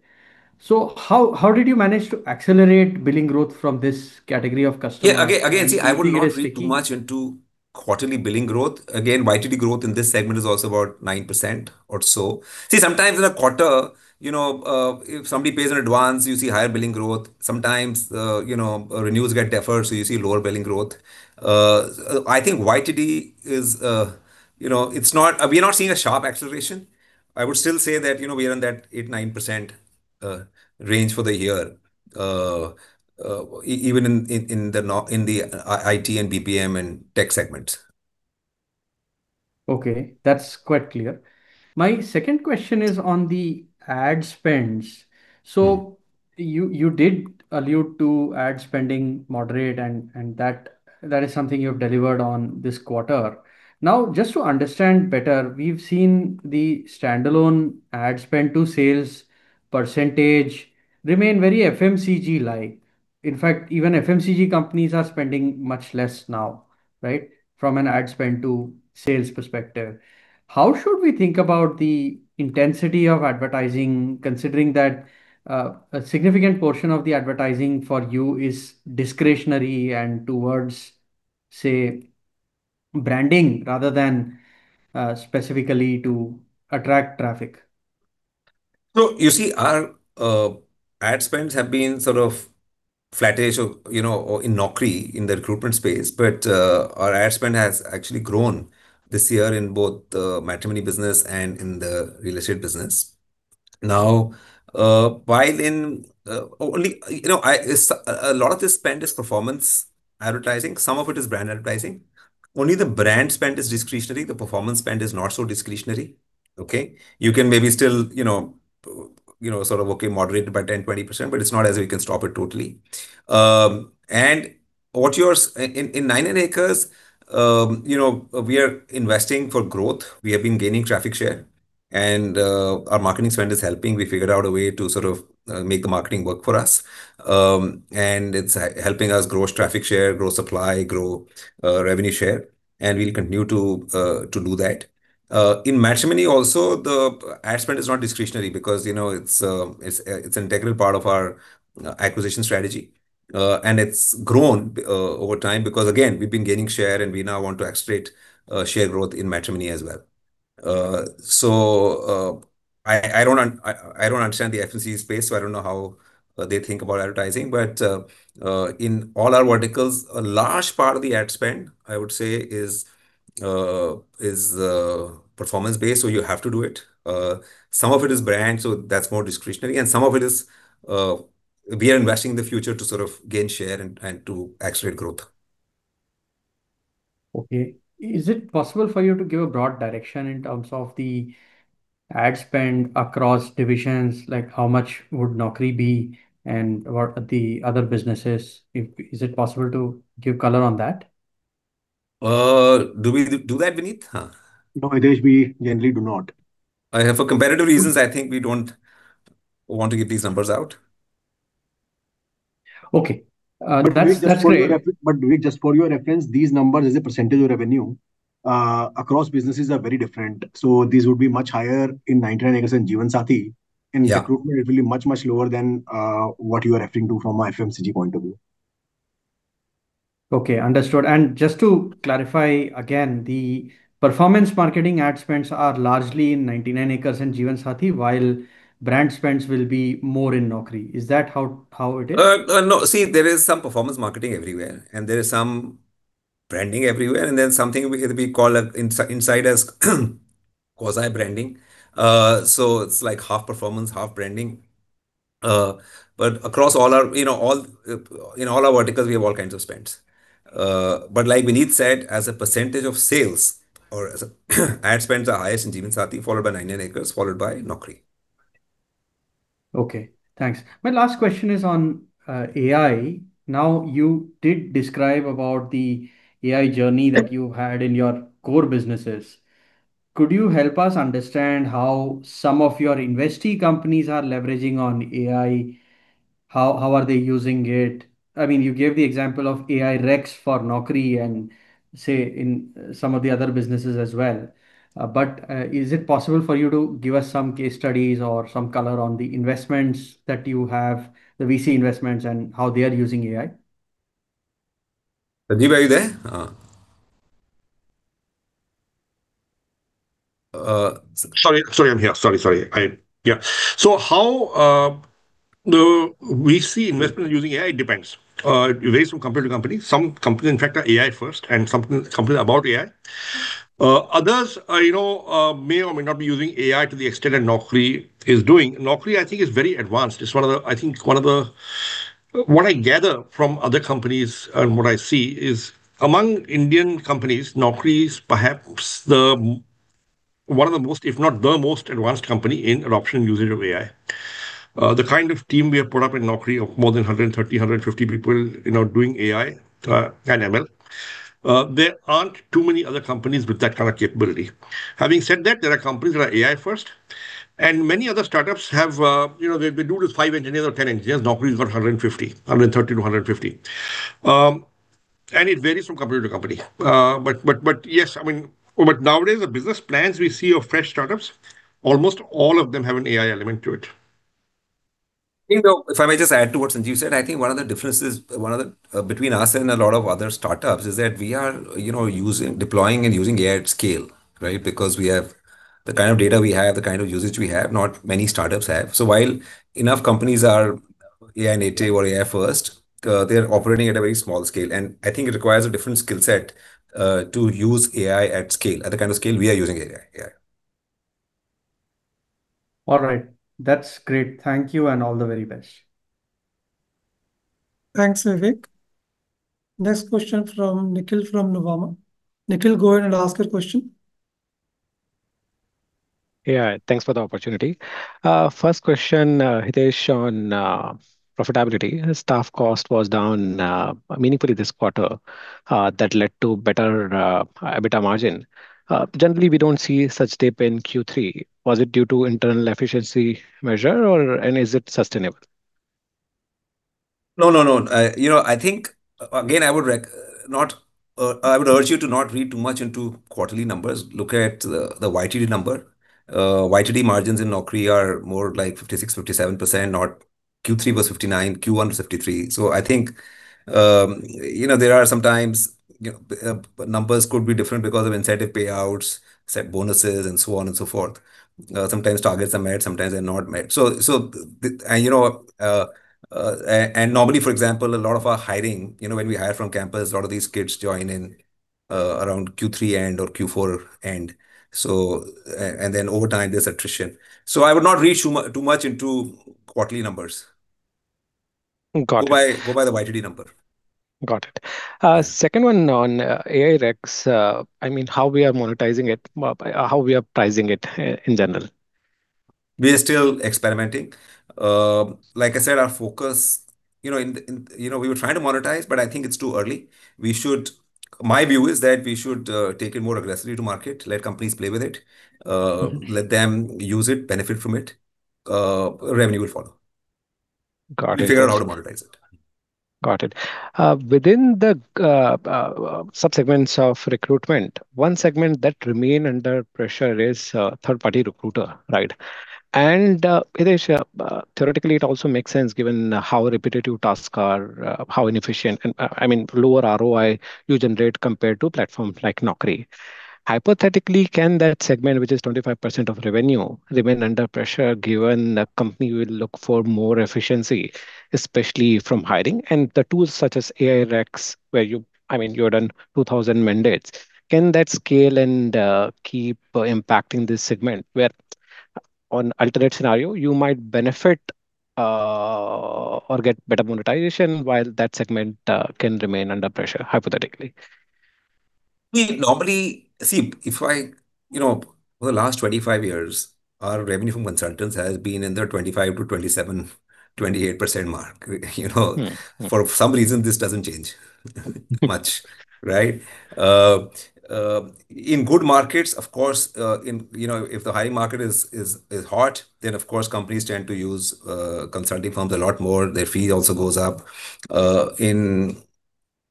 So how did you manage to accelerate billing growth from this category of customers? Yeah. Again, again, see, I would not read too much into quarterly billing growth. Again, YTD growth in this segment is also about 9% or so. See, sometimes in a quarter, you know, if somebody pays in advance, you see higher billing growth. Sometimes, you know, renewals get deferred, so you see lower billing growth. I think YTD is we're not seeing a sharp acceleration. I would still say that, you know, we are in that 8%-9% range for the year, even in the IT and BPM, and Tech segments. Okay, that's quite clear. My second question is on the ad spends. So you did allude to ad spending moderate, and that is something you've delivered on this quarter. Now, just to understand better, we've seen the standalone ad spend-to-sales percentage remain very FMCG-like. In fact, even FMCG companies are spending much less now, right? From an ad spend to sales perspective. How should we think about the intensity of advertising, considering that a significant portion of the advertising for you is discretionary and towards, say, branding rather than specifically to attract traffic? So you see, our ad spends have been sort of flattish, or you know in Naukri, in the recruitment space. But our ad spend has actually grown this year in both the matrimony business and in the real estate business. Now, while only you know a lot of the spend is performance advertising, some of it is brand advertising. Only the brand spend is discretionary, the performance spend is not so discretionary, okay? You can maybe still, you know, you know, sort of, okay, moderate it by 10%-20%, but it's not as if we can stop it totally. And what you're in 99acres you know we are investing for growth. We have been gaining traffic share, and our marketing spend is helping. We figured out a way to sort of make the marketing work for us. And it's helping us grow traffic share, grow supply, grow revenue share, and we'll continue to do that. In matrimony also, the ad spend is not discretionary because, you know, it's an integral part of our acquisition strategy. And it's grown over time because, again, we've been gaining share, and we now want to accelerate share growth in matrimony as well. So I don't understand the FMCG space, so I don't know how they think about advertising. But in all our verticals, a large part of the ad spend, I would say, is performance-based, so you have to do it. Some of it is brand, so that's more discretionary, and some of it is we are investing in the future to sort of gain share and to accelerate growth. Okay. Is it possible for you to give a broad direction in terms of the ad spend across divisions? Like, how much would Naukri be, and what are the other businesses? Is it possible to give color on that? Do we do that, Vineet? No, Hitesh, we generally do not. For competitive reasons, I think we don't want to give these numbers out. Okay, that's, that's great. But just for your reference, these numbers as a percentage of revenue across businesses are very different. So these would be much higher in 99acres and Jeevansathi. Yeah. In recruitment, it will be much, much lower than what you are referring to from a FMCG point of view. Okay, understood. And just to clarify again, the performance marketing ad spends are largely in 99acres and Jeevansathi, while brand spends will be more in Naukri. Is that how, how it is? No. See, there is some performance marketing everywhere, and there is some branding everywhere, and then something we can be called in-house as quasi-branding. So it's like half performance, half branding. But across all our, you know, in all our verticals, we have all kinds of spends. But like Vineet said, as a percentage of sales or as ad spends are highest in Jeevansathi, followed by 99acres, followed by Naukri. Okay, thanks. My last question is on AI. Now, you did describe about the AI journey that you had in your core businesses. Could you help us understand how some of your investee companies are leveraging on AI? How are they using it? I mean, you gave the example of Resdex for Naukri and, say, in some of the other businesses as well. But is it possible for you to give us some case studies or some color on the investments that you have, the VC investments, and how they are using AI? Sanjeev, are you there? Sorry, sorry, I'm here. Sorry, sorry. So how the VC investment using AI depends varies from company to company. Some companies, in fact, are AI first, and some company are about AI. Others, you know, may or may not be using AI to the extent that Naukri is doing. Naukri, I think, is very advanced. What I gather from other companies and what I see is, among Indian companies, Naukri is perhaps the one of the most, if not the most, advanced company in adoption and usage of AI. The kind of team we have put up in Naukri of more than 130-150 people, you know, doing AI and ML, there aren't too many other companies with that kind of capability. Having said that, there are companies that are AI first, and many other startups have, you know, they do this five engineers or 10 engineers. Naukri's got 150, 130-150. And it varies from company to company. But yes, I mean, but nowadays, the business plans we see of fresh startups, almost all of them have an AI element to it. You know, if I may just add to what Sanjeev said, I think one of the differences, one of the, between us and a lot of other startups is that we are, you know, using, deploying and using AI at scale, right? Because we have the kind of data we have, the kind of usage we have, not many startups have. So while enough companies are AI-native or AI first, they are operating at a very small scale. And I think it requires a different skill set, to use AI at scale, at the kind of scale we are using AI. Yeah. All right. That's great. Thank you, and all the very best. Thanks, Vivek. Next question from Nikhil from Nuvama. Nikhil, go ahead and ask your question. Yeah, thanks for the opportunity. First question, Hitesh, on profitability. Staff cost was down meaningfully this quarter, that led to better EBITDA margin. Generally, we don't see such dip in Q3. Was it due to internal efficiency measure or and is it sustainable? No, no, no. You know, I think, again, I would urge you to not read too much into quarterly numbers. Look at the YTD number. YTD margins in Naukri are more like 56%-57%, not... Q3 was 59%, Q1 was 53%. So I think, you know, there are sometimes, you know, numbers could be different because of incentive payouts, set bonuses, and so on and so forth. Sometimes targets are met, sometimes they're not met. So, and normally, for example, a lot of our hiring, you know, when we hire from campus, a lot of these kids join in around Q3 end or Q4 end. So, and then over time, there's attrition. So I would not read too much into quarterly numbers. Got it. Go by, go by the YTD number. Got it. Second one on Resdex. I mean, how we are monetizing it, how we are pricing it in general? We are still experimenting. Like I said, our focus, you know, we were trying to monetize, but I think it's too early. We should. My view is that we should take it more aggressively to market, let companies play with it. Let them use it, benefit from it. Revenue will follow. Got it. We figure out how to monetize it. Got it. Within the sub-segments of recruitment, one segment that remain under pressure is third-party recruiter, right? And Hitesh, theoretically, it also makes sense, given how repetitive tasks are, how inefficient, and I mean, lower ROI you generate compared to platforms like Naukri. Hypothetically, can that segment, which is 25% of revenue, remain under pressure, given the company will look for more efficiency, especially from hiring? And the tools such as Resdex, where you've done 2,000 mandates, can that scale and keep impacting this segment, where on alternate scenario, you might benefit or get better monetization while that segment can remain under pressure, hypothetically? We normally see, if I, you know, over the last 25 years, our revenue from consultants has been in the 25 to 27, 28% mark. You know for some reason, this doesn't change much, right? In good markets, of course, you know, if the hiring market is hot, then of course, companies tend to use consulting firms a lot more. Their fee also goes up.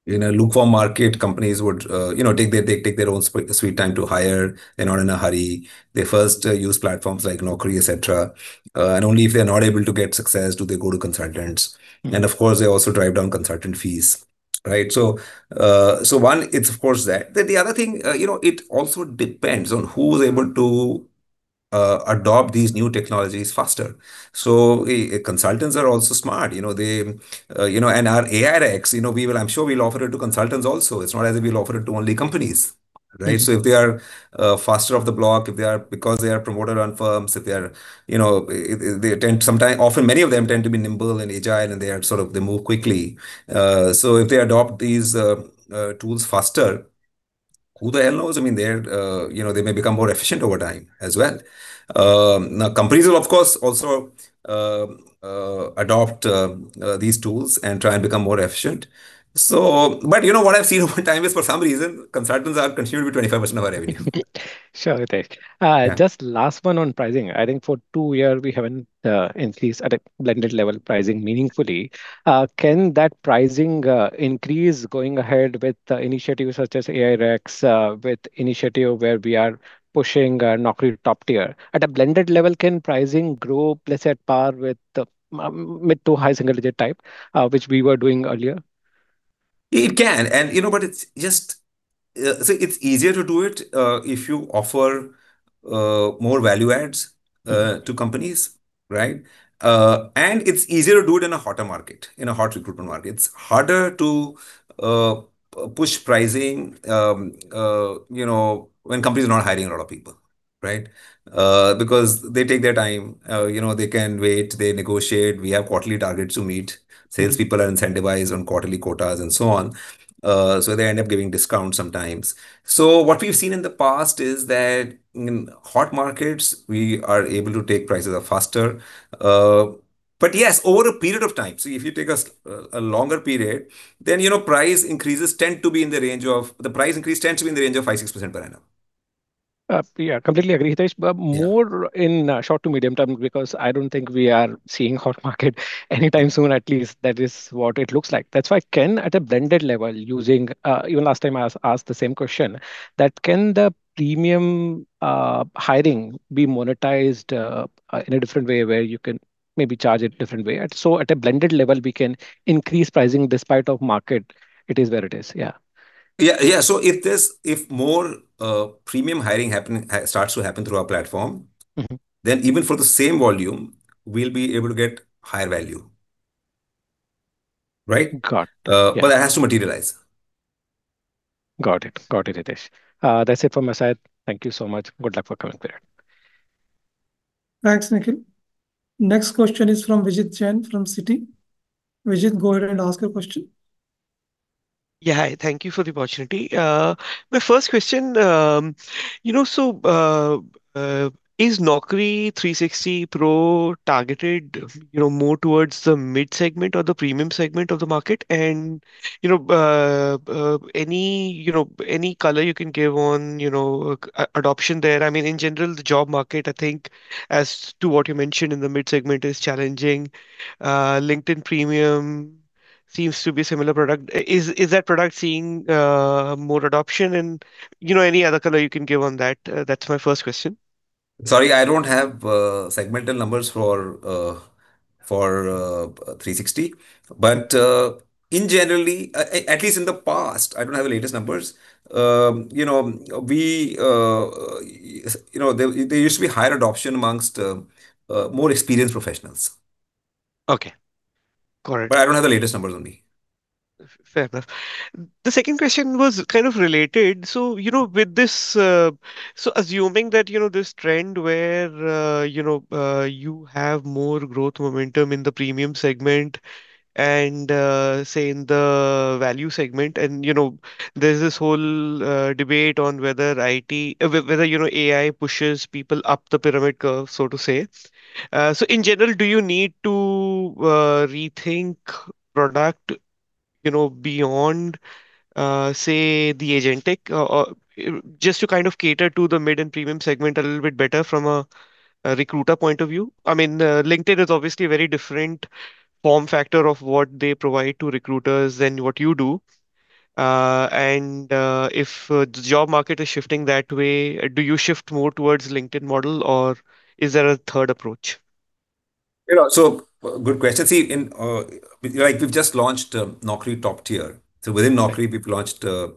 In a slow market, companies would, you know, take their own sweet time to hire. They're not in a hurry. They first use platforms like Naukri, etc. And only if they're not able to get success do they go to consultants. Of course, they also drive down consultant fees, right? So, one, it's of course that. Then the other thing, you know, it also depends on who is able to adopt these new technologies faster. So, consultants are also smart, you know, they, you know, and our Resdex you know, we, I'm sure we'll offer it to consultants also. It's not as if we'll offer it to only companies, right? So if they are faster off the block, if they are—because they are promoted on firms, if they are, you know, they tend sometimes often many of them tend to be nimble and agile, and they are sort of they move quickly. So if they adopt these tools faster, who the hell knows? I mean, they're, you know, they may become more efficient over time as well. Now, companies will of course also adopt these tools and try and become more efficient. But you know what I've seen over time is, for some reason, consultants are continuing to be 25% of our revenue. Sure, Hitesh. Yeah. Just last one on pricing. I think for two year we haven't increased at a blended-level pricing meaningfully. Can that pricing increase going ahead with initiatives such as Resdex, with initiative where we are pushing Naukri Top Tier? At a blended level, can pricing grow, let's say, at par with the mid to high single-digit type, which we were doing earlier? It can, and, you know, but it's just so it's easier to do it, if you offer, more value adds, to companies, right? And it's easier to do it in a hotter market, in a hot recruitment market. It's harder to push pricing, you know, when companies are not hiring a lot of people, right? Because they take their time. You know, they can wait, they negotiate. We have quarterly targets to meet. Salespeople are incentivized on quarterly quotas, and so on. So they end up giving discounts sometimes. So what we've seen in the past is that in hot markets, we are able to take prices up faster. But yes, over a period of time so if you take a longer period, then, you know, price increases tend to be in the range of the price increase tends to be in the range of 5%-6% per annum. Yeah, completely agree, Hitesh. Yeah. But more in short to medium term, because I don't think we are seeing hot market anytime soon. At least, that is what it looks like. That's why can at a blended level using even last time I asked the same question, that can the premium hiring be monetized in a different way, where you can maybe charge a different way? So at a blended level, we can increase pricing despite of market, it is where it is. Yeah. Yeah, yeah. So if more premium hiring starts to happen through our platform then even for the same volume, we'll be able to get higher value. Right? Got it. Yeah. But that has to materialize. Got it. Got it, Hitesh. That's it from my side. Thank you so much. Good luck for coming period. Thanks, Nikhil. Next question is from Vijit Jain, from Citi. Vijit, go ahead and ask your question. Yeah, hi. Thank you for the opportunity. My first question, you know, so, is Uncertain targeted, you know, more towards the mid segment or the premium segment of the market? And, you know, any, you know, any color you can give on, you know, adoption there? I mean, in general, the job market, I think, as to what you mentioned in the mid segment, is challenging. LinkedIn Premium seems to be a similar product. Is that product seeing, more adoption? And, you know, any other color you can give on that, that's my first question. Sorry, I don't have segmental numbers for 360. But in general, at least in the past, I don't have the latest numbers. There used to be higher adoption among more experienced professionals. Okay. Got it. But I don't have the latest numbers on me. Fair enough. The second question was kind of related. So, you know, with this. So assuming that, you know, this trend where, you know, you have more growth momentum in the premium segment and, say, in the value segment, and, you know, there's this whole debate on whether, you know, AI pushes people up the pyramid curve, so to say. So in general, do you need to rethink product, you know, beyond, say, the agentic, or just to kind of cater to the mid and premium segment a little bit better from a recruiter point of view? I mean, LinkedIn is obviously a very different form factor of what they provide to recruiters than what you do. If the job market is shifting that way, do you shift more towards LinkedIn model, or is there a third approach? Yeah, so good question. See, like, we've just launched Naukri Top Tier. So within Naukri, we've launched a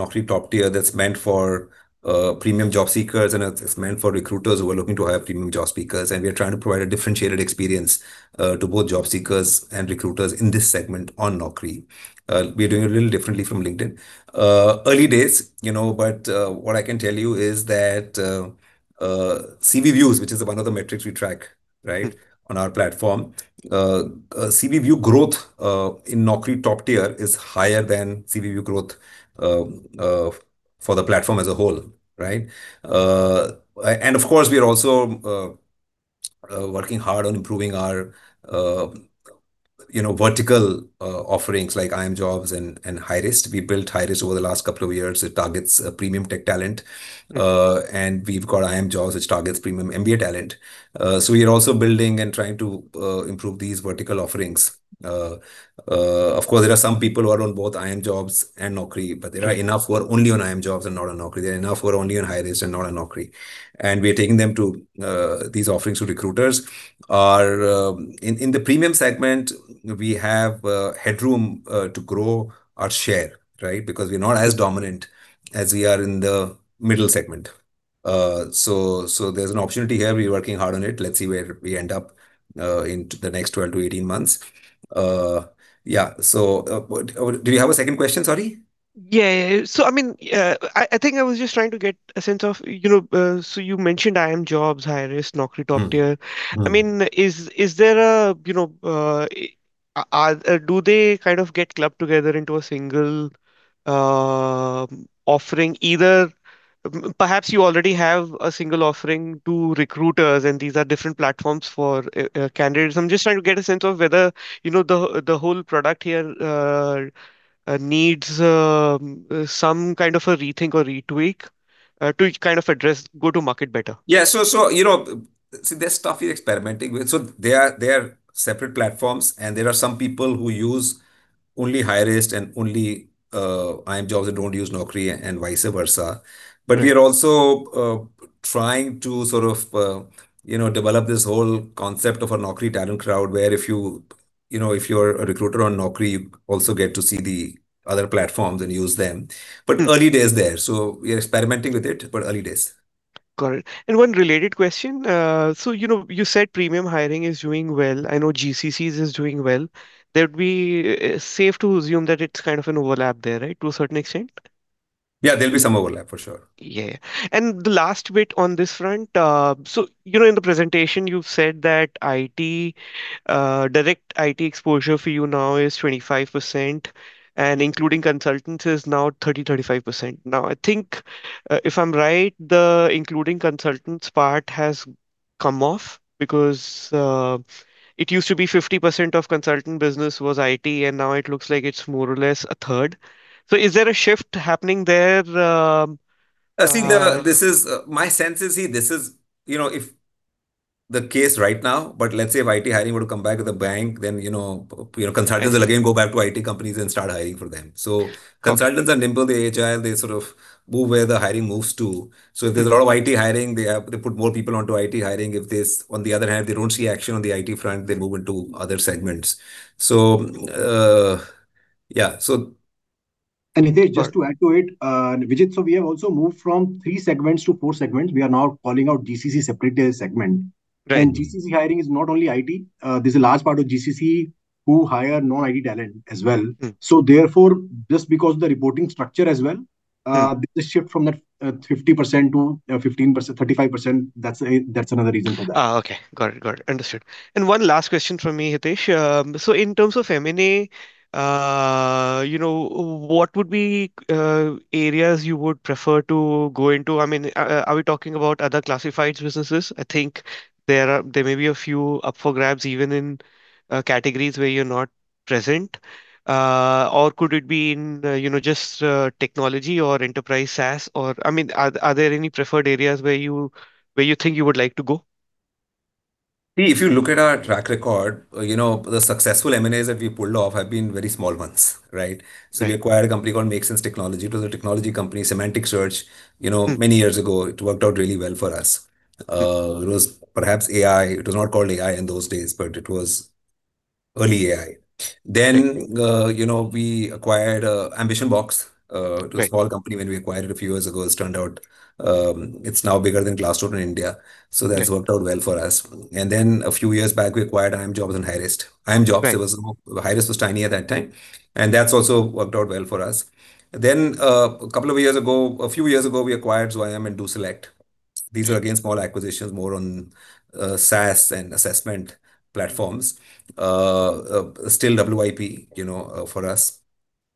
Naukri Top Tier that's meant for premium job seekers, and it's meant for recruiters who are looking to hire premium job seekers. We are trying to provide a differentiated experience to both job seekers and recruiters in this segment on Naukri. We're doing it a little differently from LinkedIn. Early days, you know, but what I can tell you is that CV views, which is one of the metrics we track, right on our platform, CV view growth in Naukri Top Tier is higher than CV view growth for the platform as a whole, right? And of course, we are also working hard on improving our, you know, vertical offerings like IIMJobs and Hirist. We built Hirist over the last couple of years. It targets premium tech talent. And we've got IIMJobs, which targets premium MBA talent. So we are also building and trying to improve these vertical offerings. Of course, there are some people who are on both IIMJobs and Naukri, but there are enough who are only on IIMJobs and not on Naukri. There are enough who are only on Hirist and not on Naukri, and we are taking them to these offerings to recruiters. Our, in the premium segment, we have headroom to grow our share, right? Because we're not as dominant as we are in the middle segment. So there's an opportunity here. We're working hard on it. Let's see where we end up in the next 12-18 months. Yeah, so what do you have a second question? Sorry? Yeah. So, I mean, I think I was just trying to get a sense of, you know, so you mentioned IIMJobs, Hirist, Naukri Top Tier. Mm-hmm. I mean, you know, do they kind of get clubbed together into a single offering? Either perhaps you already have a single offering to recruiters, and these are different platforms for candidates. I'm just trying to get a sense of whether, you know, the whole product here needs some kind of a rethink or retweak to kind of address go to market better. Yeah. So, so, you know, see, there's stuff we're experimenting with. So they are, they are separate platforms, and there are some people who use only Hirist and only IIMJobs, and don't use Naukri, and vice versa. Right. But we are also trying to sort of, you know, develop this whole concept of a Naukri talent crowd, where if you, you know, if you're a recruiter on Naukri, you also get to see the other platforms and use them. Mm-hmm. Early days there, so we are experimenting with it, but early days. Got it. And one related question. So, you know, you said premium hiring is doing well. I know GCCs is doing well. That would be safe to assume that it's kind of an overlap there, right, to a certain extent? Yeah, there'll be some overlap, for sure. Yeah. And the last bit on this front, so, you know, in the presentation, you've said that IT- direct IT exposure for you now is 25%, and including consultants is now 30-35%. Now, I think, if I'm right, the including consultants part has come off because, it used to be 50% of consultant business was IT, and now it looks like it's more or less a third. So is there a shift happening there? My sense is, see, this is, you know, if the case right now, but let's say if IT hiring were to come back with a bang, then, you know, you know- Right... consultants will again go back to IT companies and start hiring for them. Yeah. Consultants are nimble, they are agile, they sort of move where the hiring moves to. Mm-hmm. So if there's a lot of IT hiring, they put more people onto IT hiring. If there's... on the other hand, they don't see action on the IT front, they move into other segments. So, yeah. So- Hitesh, just to add to it, Vijit, so we have also moved from three segments to four segments. We are now calling out GCC separately as a segment. Right. GCC hiring is not only IT. There's a large part of GCC who hire non-IT talent as well. Mm. Therefore, just because of the reporting structure as well- Yeah... this shift from that, 50% to 15%, 35%, that's a, that's another reason for that. Ah, okay. Got it. Got it. Understood. And one last question from me, Hitesh. So in terms of M&A, you know, what would be areas you would prefer to go into? I mean, are we talking about other classifieds businesses? I think there may be a few up for grabs, even in categories where you're not present. Or could it be in, you know, just technology or enterprise SaaS or... I mean, are there any preferred areas where you think you would like to go? If you look at our track record, you know, the successful M&As that we've pulled off have been very small ones, right? Right. We acquired a company called MakeSense Technologies. It was a technology company, semantic search, you know- Mm... many years ago. It worked out really well for us. Right. It was perhaps AI. It was not called AI in those days, but it was early AI. Mm. Then, you know, we acquired AmbitionBox. Right. It was a small company when we acquired it a few years ago. It's turned out, it's now bigger than Glassdoor in India. Right. So that's worked out well for us. And then a few years back, we acquired IIMJobs and Hirist. IIMJobs. Right. Hirist was tiny at that time, and that's also worked out well for us. Then, a couple of years ago—a few years ago, we acquired Zwayam and DoSelect. These are, again, small acquisitions, more on, SaaS and assessment platforms. Still WIP, you know, for us.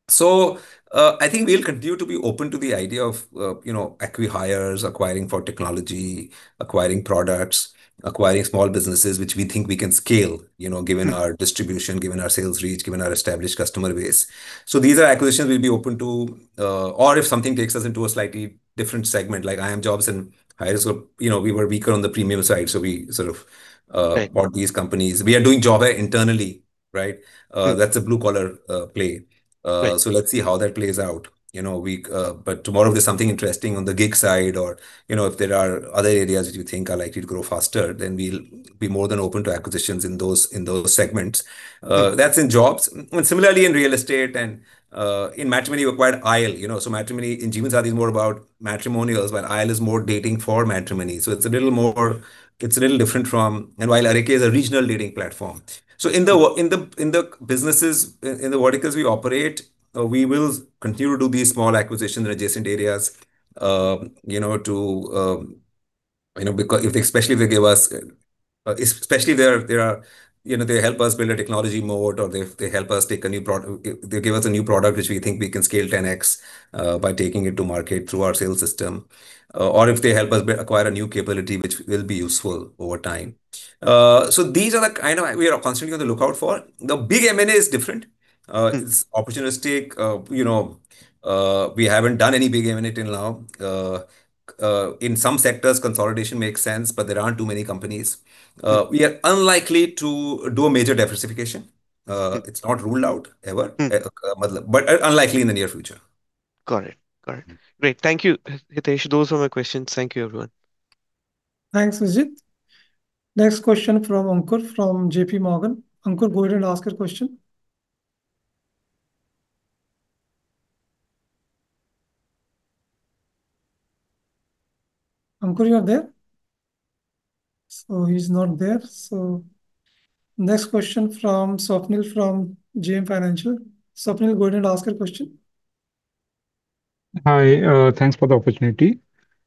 So, I think we'll continue to be open to the idea of, you know, acqui-hires, acquiring for technology, acquiring products, acquiring small businesses, which we think we can scale, you know given our distribution, given our sales reach, given our established customer base. So these are acquisitions we'll be open to, or if something takes us into a slightly different segment, like IIMJobs and Hirist, you know, we were weaker on the premium side, so we bought these companies. We are doing JobHai internally, right? That's a blue-collar play. Right. So let's see how that plays out. But tomorrow, there's something interesting on the gig side or, you know, if there are other areas that we think are likely to grow faster, then we'll be more than open to acquisitions in those, in those segments. That's in jobs. Similarly, in real estate and in matrimony, we acquired Aisle, you know, so matrimony in Jeevansathi is more about matrimonials, while Aisle is more dating for matrimony. So it's a little more, it's a little different from, and while Arike is a regional leading platform. So in the businesses, in the verticals we operate, we will continue to do these small acquisitions in adjacent areas, you know, to, you know, because if, especially if they help us build a technology moat, or they help us take a new product, they give us a new product, which we think we can scale 10X, by taking it to market through our sales system or if they help us acquire a new capability which will be useful over time. So these are the kind of we are constantly on the lookout for. The big M&A is different. It's opportunistic. You know, we haven't done any big M&A till now. In some sectors, consolidation makes sense, but there aren't too many companies. We are unlikely to do a major diversification. It's not ruled out ever but unlikely in the near future. Got it. Got it. Great. Thank you, Hitesh. Those are my questions. Thank you, everyone. Thanks, Vijit. Next question from Ankur, from JP Morgan. Ankur, go ahead and ask your question. Ankur, you are there? He's not there. Next question from Swapnil, from JM Financial. Swapnil, go ahead and ask your question. Hi. Thanks for the opportunity.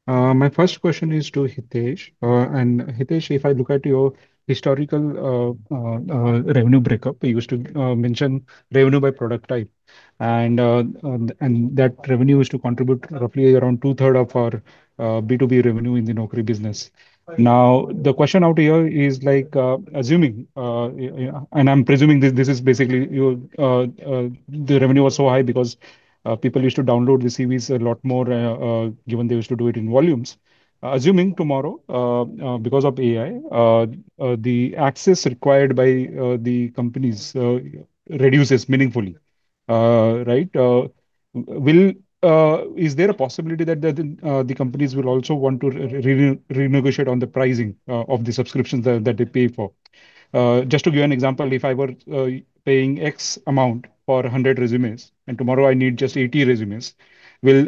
My first question is to Hitesh. And Hitesh, if I look at your historical revenue breakup, you used to mention revenue by product type. And that revenue is to contribute roughly around two-thirds of our B2B revenue in the Naukri business. Right. Now, the question out here is, like, assuming and I'm presuming this, this is basically your the revenue was so high because people used to download the CVs a lot more, given they used to do it in volumes. Assuming tomorrow, because of AI, the access required by the companies reduces meaningfully, right? Is there a possibility that the companies will also want to re- renegotiate on the pricing of the subscriptions that they pay for? Just to give you an example, if I were paying X amount for 100 resumes, and tomorrow I need just 80 resumes, will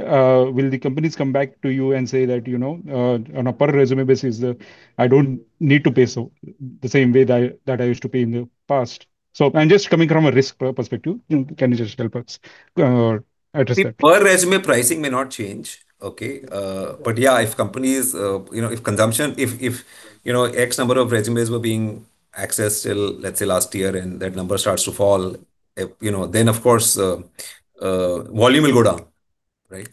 will the companies come back to you and say that, "You know, on a per resume basis, I don't need to pay so the same way that, that I used to pay in the past?" So I'm just coming from a risk per- perspective, can you just help us address that? See, per resume pricing may not change, okay? But yeah, if companies consumption, you know, X number of resumes were being accessed till, let's say, last year, and that number starts to fall, you know, then of course, volume will go down, right?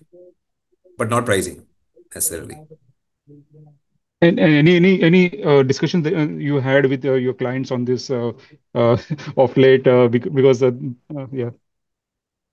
But not pricing necessarily. Any discussions that you had with your clients on this of late, because yeah.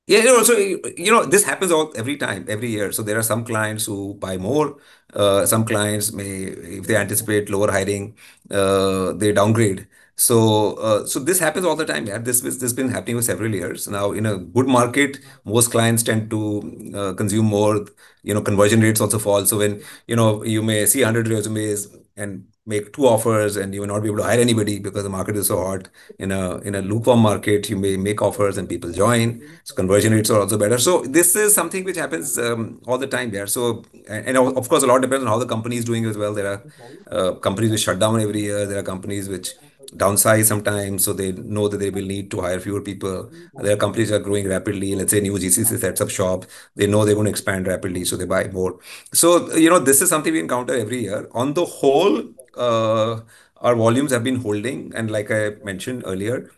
Yeah. So, you know, this happens every time, every year. So there are some clients who buy more, some clients may anticipate lower hiring, they downgrade. So, so this happens all the time, yeah. This, this has been happening for several years now. In a good market, most clients tend to, consume more. You know, conversion rates also fall. So when, you know, you may see 100 resumes and make offers, and you will not be able to hire anybody because the market is so hard. In a lukewarm market, you may make offers and people join, so conversion rates are also better. So this is something which happens, all the time, yeah. So, and, and of course, a lot depends on how the company's doing as well. There are, companies which shut down every year. There are companies which downsize sometimes, so they know that they will need to hire fewer people. There are companies that are growing rapidly. Let's say a new GCC sets up shop, they know they're going to expand rapidly, so they buy more. So, you know, this is something we encounter every year. On the whole, our volumes have been holding, and like I mentioned earlier,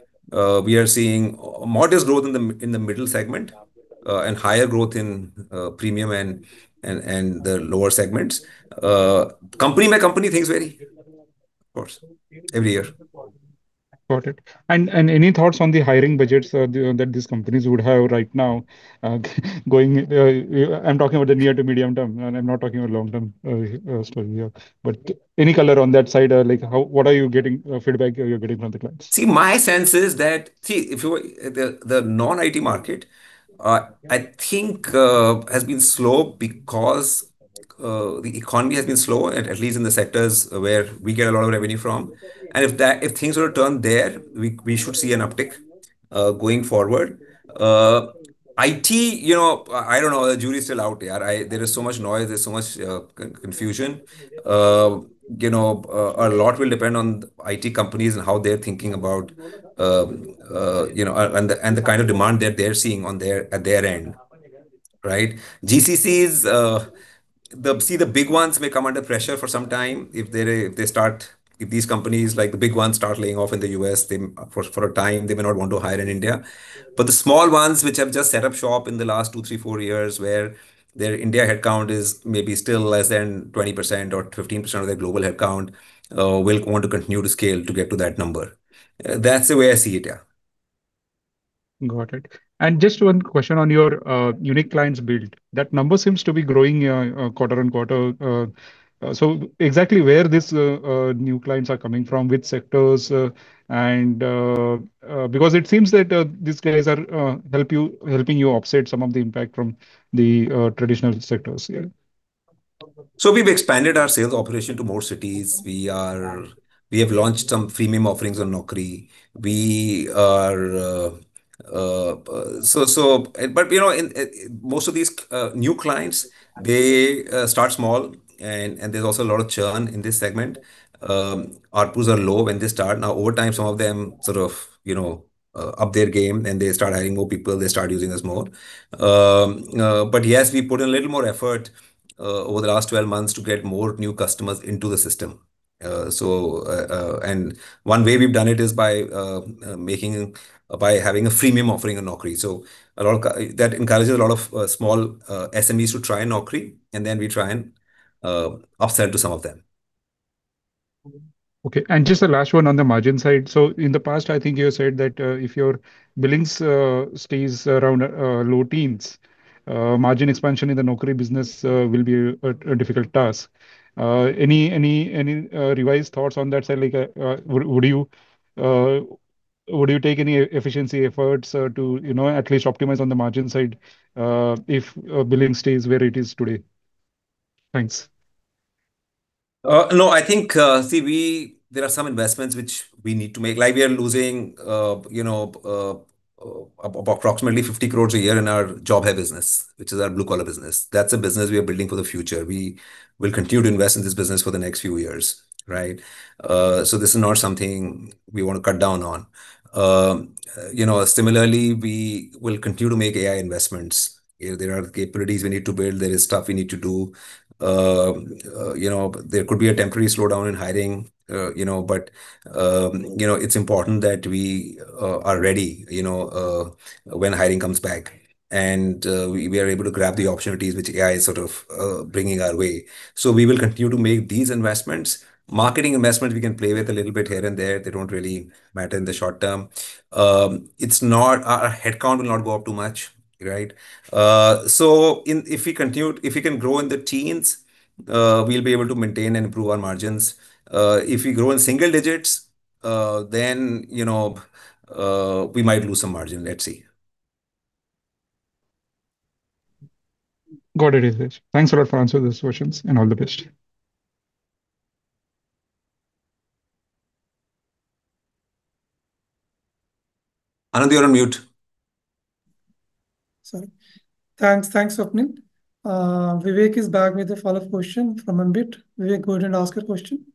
we are seeing modest growth in the middle segment, and higher growth in premium and the lower segments. Company by company, things vary, of course, every year. Got it. And any thoughts on the hiring budgets that these companies would have right now. I'm talking about the near to medium term, and I'm not talking about long term story here. But any color on that side, like, what feedback are you getting from the clients? See, my sense is that the non-IT market, I think, has been slow because the economy has been slow, at least in the sectors where we get a lot of revenue from. And if things were to turn there, we should see an uptick going forward. IT, you know, I don't know. The jury's still out, yeah. There is so much noise, there's so much confusion. You know, a lot will depend on IT companies and how they're thinking about, you know, and the kind of demand that they're seeing at their end, right? GCCs, the... See, the big ones may come under pressure for some time if these companies, like the big ones, start laying off in the U.S., they, for a time, they may not want to hire in India. But the small ones, which have just set up shop in the last two, three, four years, where their India headcount is maybe still less than 20% or 15% of their global headcount, will want to continue to scale to get to that number. That's the way I see it, yeah. Got it. And just one question on your unique clients build. That number seems to be growing quarter-over-quarter. So exactly where this new clients are coming from, which sectors, because it seems that these guys are helping you offset some of the impact from the traditional sectors. Yeah. So we've expanded our sales operation to more cities. We have launched some premium offerings on Naukri. So, but, you know, most of these new clients, they start small, and there's also a lot of churn in this segment. ARPUs are low when they start. Now, over time, some of them sort of, you know, up their game, and they start hiring more people, they start using us more. But yes, we put in a little more effort over the last 12 months to get more new customers into the system. And one way we've done it is by having a freemium offering on Naukri. So a lot of that encourages a lot of small SMEs to try Naukri, and then we try and upsell to some of them. Okay. Just the last one on the margin side. In the past, I think you said that if your billings stays around low teens, margin expansion in the Naukri business will be a difficult task. Any revised thoughts on that side? Like, would you take any efficiency efforts to, you know, at least optimize on the margin side if billing stays where it is today? Thanks. No, I think, see, there are some investments which we need to make. Like, we are losing, you know, approximately 50 crore a year in our JobHai business, which is our blue-collar business. That's a business we are building for the future. We will continue to invest in this business for the next few years, right? So this is not something we want to cut down on. You know, similarly, we will continue to make AI investments. You know, there are capabilities we need to build, there is stuff we need to do. You know, there could be a temporary slowdown in hiring, you know, but, you know, it's important that we are ready, you know, when hiring comes back, and we are able to grab the opportunities which AI is sort of bringing our way. So we will continue to make these investments. Marketing investments, we can play with a little bit here and there. They don't really matter in the short term. Our headcount will not go up too much, right? So if we can grow in the teens, we'll be able to maintain and improve our margins. If we grow in single digits, then, you know, we might lose some margin. Let's see. Got it, Hitesh. Thanks a lot for answering those questions, and all the best. Anand, you're on mute. Sorry. Thanks. Thanks, Swapnil. Vivek is back with a follow-up question from Ambit. Vivek, go ahead and ask your question.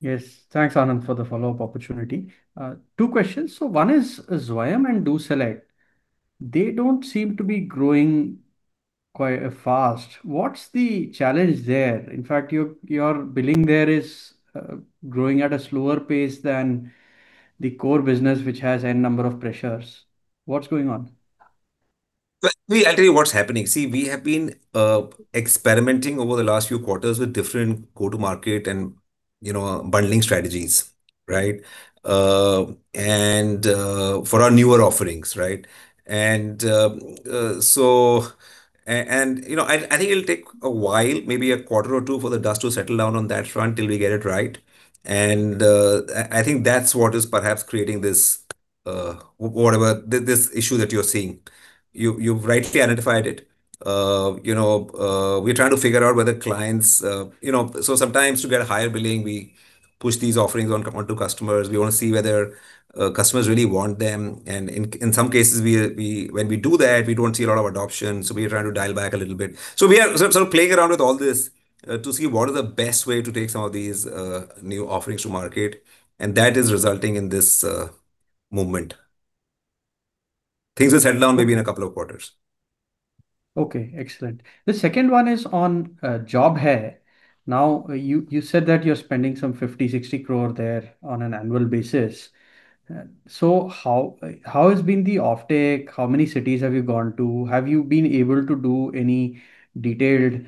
Yes. Thanks, Anand, for the follow-up opportunity. Two questions. So one is Zwayam and DoSelect. They don't seem to be growing quite fast. In fact, your, your billing there is growing at a slower pace than the core business, which has N number of pressures. What's going on? Well, I'll tell you what's happening. See, we have been experimenting over the last few quarters with different go-to-market and, you know, bundling strategies, right? And for our newer offerings, right? And, you know, I think it'll take a while, maybe a quarter or two, for the dust to settle down on that front until we get it right. And, I think that's what is perhaps creating this, whatever, this issue that you're seeing. You've rightly identified it. You know, we're trying to figure out whether clients. You know, so sometimes to get a higher billing, we push these offerings onto customers. We want to see whether customers really want them, and in some cases, when we do that, we don't see a lot of adoption, so we are trying to dial back a little bit. So we are sort of playing around with all this to see what are the best way to take some of these new offerings to market, and that is resulting in this movement. Things will settle down maybe in a couple of quarters. Okay, excellent. The second one is on JobHai. Now, you said that you're spending some 50-60 crore there on an annual basis. So how has been the offtake? How many cities have you gone to? Have you been able to do any detailed,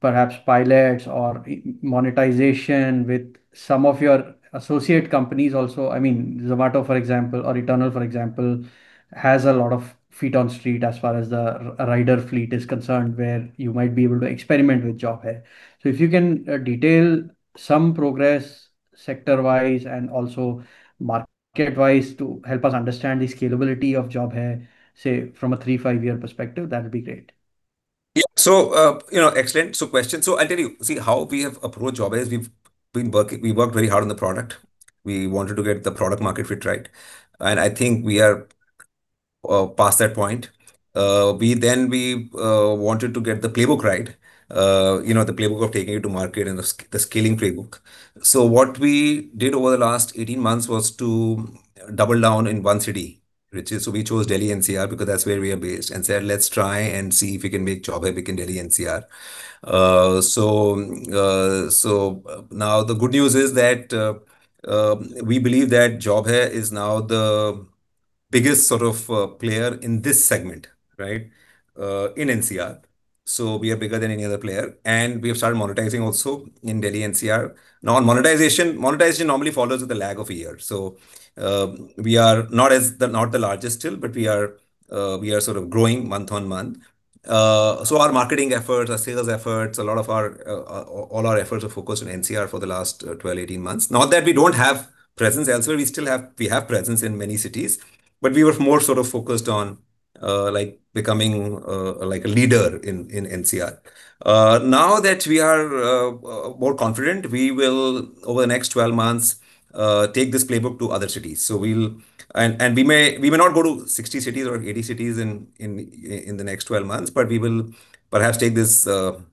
perhaps pilots or monetization with some of your associate companies also? I mean, Zomato, for example, or Eternal, for example, has a lot of feet on street as far as the rider fleet is concerned, where you might be able to experiment with JobHai. So if you can detail some progress sector-wise and also market-wise to help us understand the scalability of JobHai, say, from a three- to five-year perspective, that would be great. Yeah. So, you know, excellent, so question. So I'll tell you, see, how we have approached JobHai is we've been working - we worked very hard on the product. We wanted to get the product market fit right, and I think we are past that point. We then wanted to get the playbook right, you know, the playbook of taking it to market and the scaling playbook. So what we did over the last 18 months was to double down in one city, which is so we chose Delhi NCR because that's where we are based, and said, "Let's try and see if we can make JobHai big in Delhi NCR." So now the good news is that we believe that JobHai is now the biggest sort of player in this segment, right? In NCR. So we are bigger than any other player, and we have started monetizing also in Delhi NCR. Now, on monetization, monetization normally follows with a lag of a year. So, we are not the largest still, but we are, we are sort of growing month-on-month. So our marketing efforts, our sales efforts, a lot of our, all our efforts are focused on NCR for the last 12, 18 months. Not that we don't have presence elsewhere, we still have- we have presence in many cities, but we were more sort of focused on, like becoming, like a leader in, in NCR. Now that we are, more confident, we will, over the next 12 months, take this playbook to other cities. We may not go to 60 cities or 80 cities in the next 12 months, but we will perhaps take this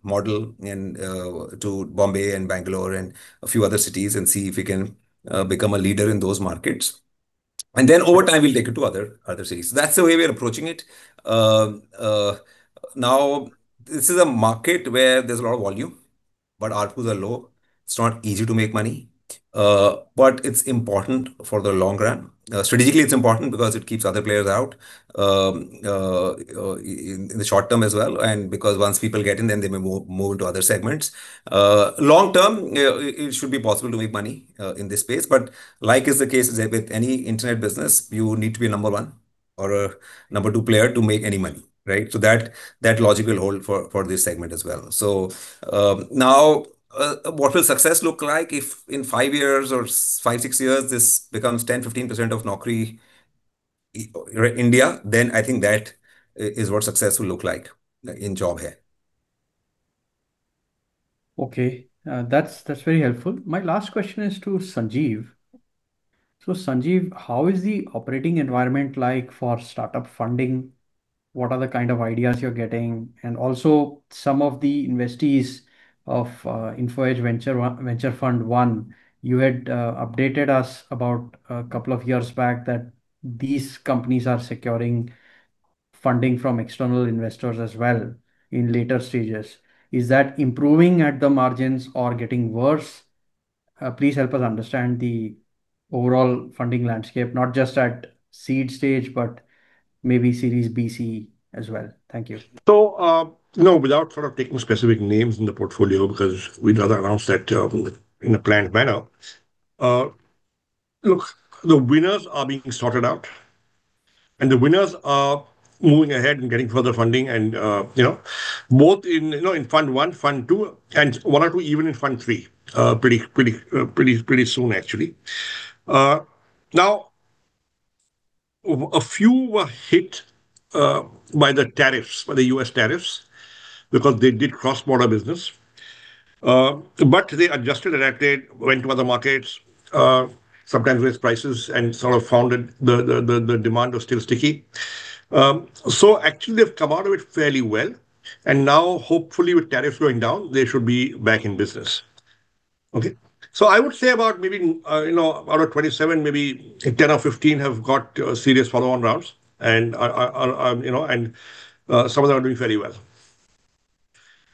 model into Bombay and Bangalore and a few other cities and see if we can become a leader in those markets. Then over time, we'll take it to other cities. That's the way we're approaching it. Now, this is a market where there's a lot of volume, but ARPUs are low. It's not easy to make money, but it's important for the long run. Strategically, it's important because it keeps other players out in the short term as well, and because once people get in, then they may move into other segments. Long term, it should be possible to make money in this space, but like is the case with any internet business, you need to be number one or a number two player to make any money, right? So that logic will hold for this segment as well. So, now, what will success look like if in five years or five, six years, this becomes 10%-15% of Naukri India? Then I think that is what success will look like, like in JobHai. Okay, that's very helpful. My last question is to Sanjeev. So Sanjeev, how is the operating environment like for startup funding? What are the kind of ideas you're getting? And also, some of the investees of Info Edge Venture One-Venture Fund One, you had updated us about a couple of years back that these companies are securing funding from external investors as well in later stages. Is that improving at the margins or getting worse? Please help us understand the overall funding landscape, not just at seed stage, but maybe Series B, C as well. Thank you. You know, without sort of taking specific names in the portfolio, because we'd rather announce that in a planned manner, look, the winners are being sorted out, and the winners are moving ahead and getting further funding and, you know, both in, you know, in Fund One, Fund Two, and one or two even in Fund Three, pretty soon, actually. Now, a few were hit by the tariffs, by the U.S. tariffs, because they did cross-border business. But they adjusted and adapted, went to other markets, sometimes raised prices and sort of found that the demand was still sticky. So actually, they've come out of it fairly well, and now hopefully with tariffs going down, they should be back in business. Okay, so I would say about maybe, you know, out of 27, maybe 10 or 15 have got serious follow-on rounds. And, you know, and, some of them are doing very well.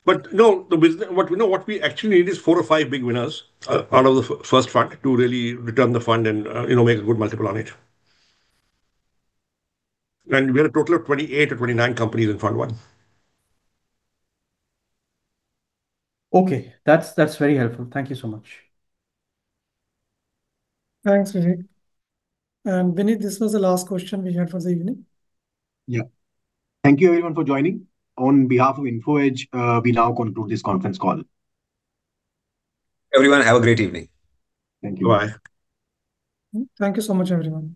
But no, what, you know, what we actually need is four or five big winners out of the first fund to really return the fund and, you know, make a good multiple on it. And we had a total of 28 or 29 companies in Fund One. Okay, that's, that's very helpful. Thank you so much. Thanks, Vivek. Vineet, this was the last question we had for the evening. Yeah. Thank you, everyone, for joining. On behalf of Info Edge, we now conclude this conference call. Everyone, have a great evening. Thank you. Bye. Thank you so much, everyone.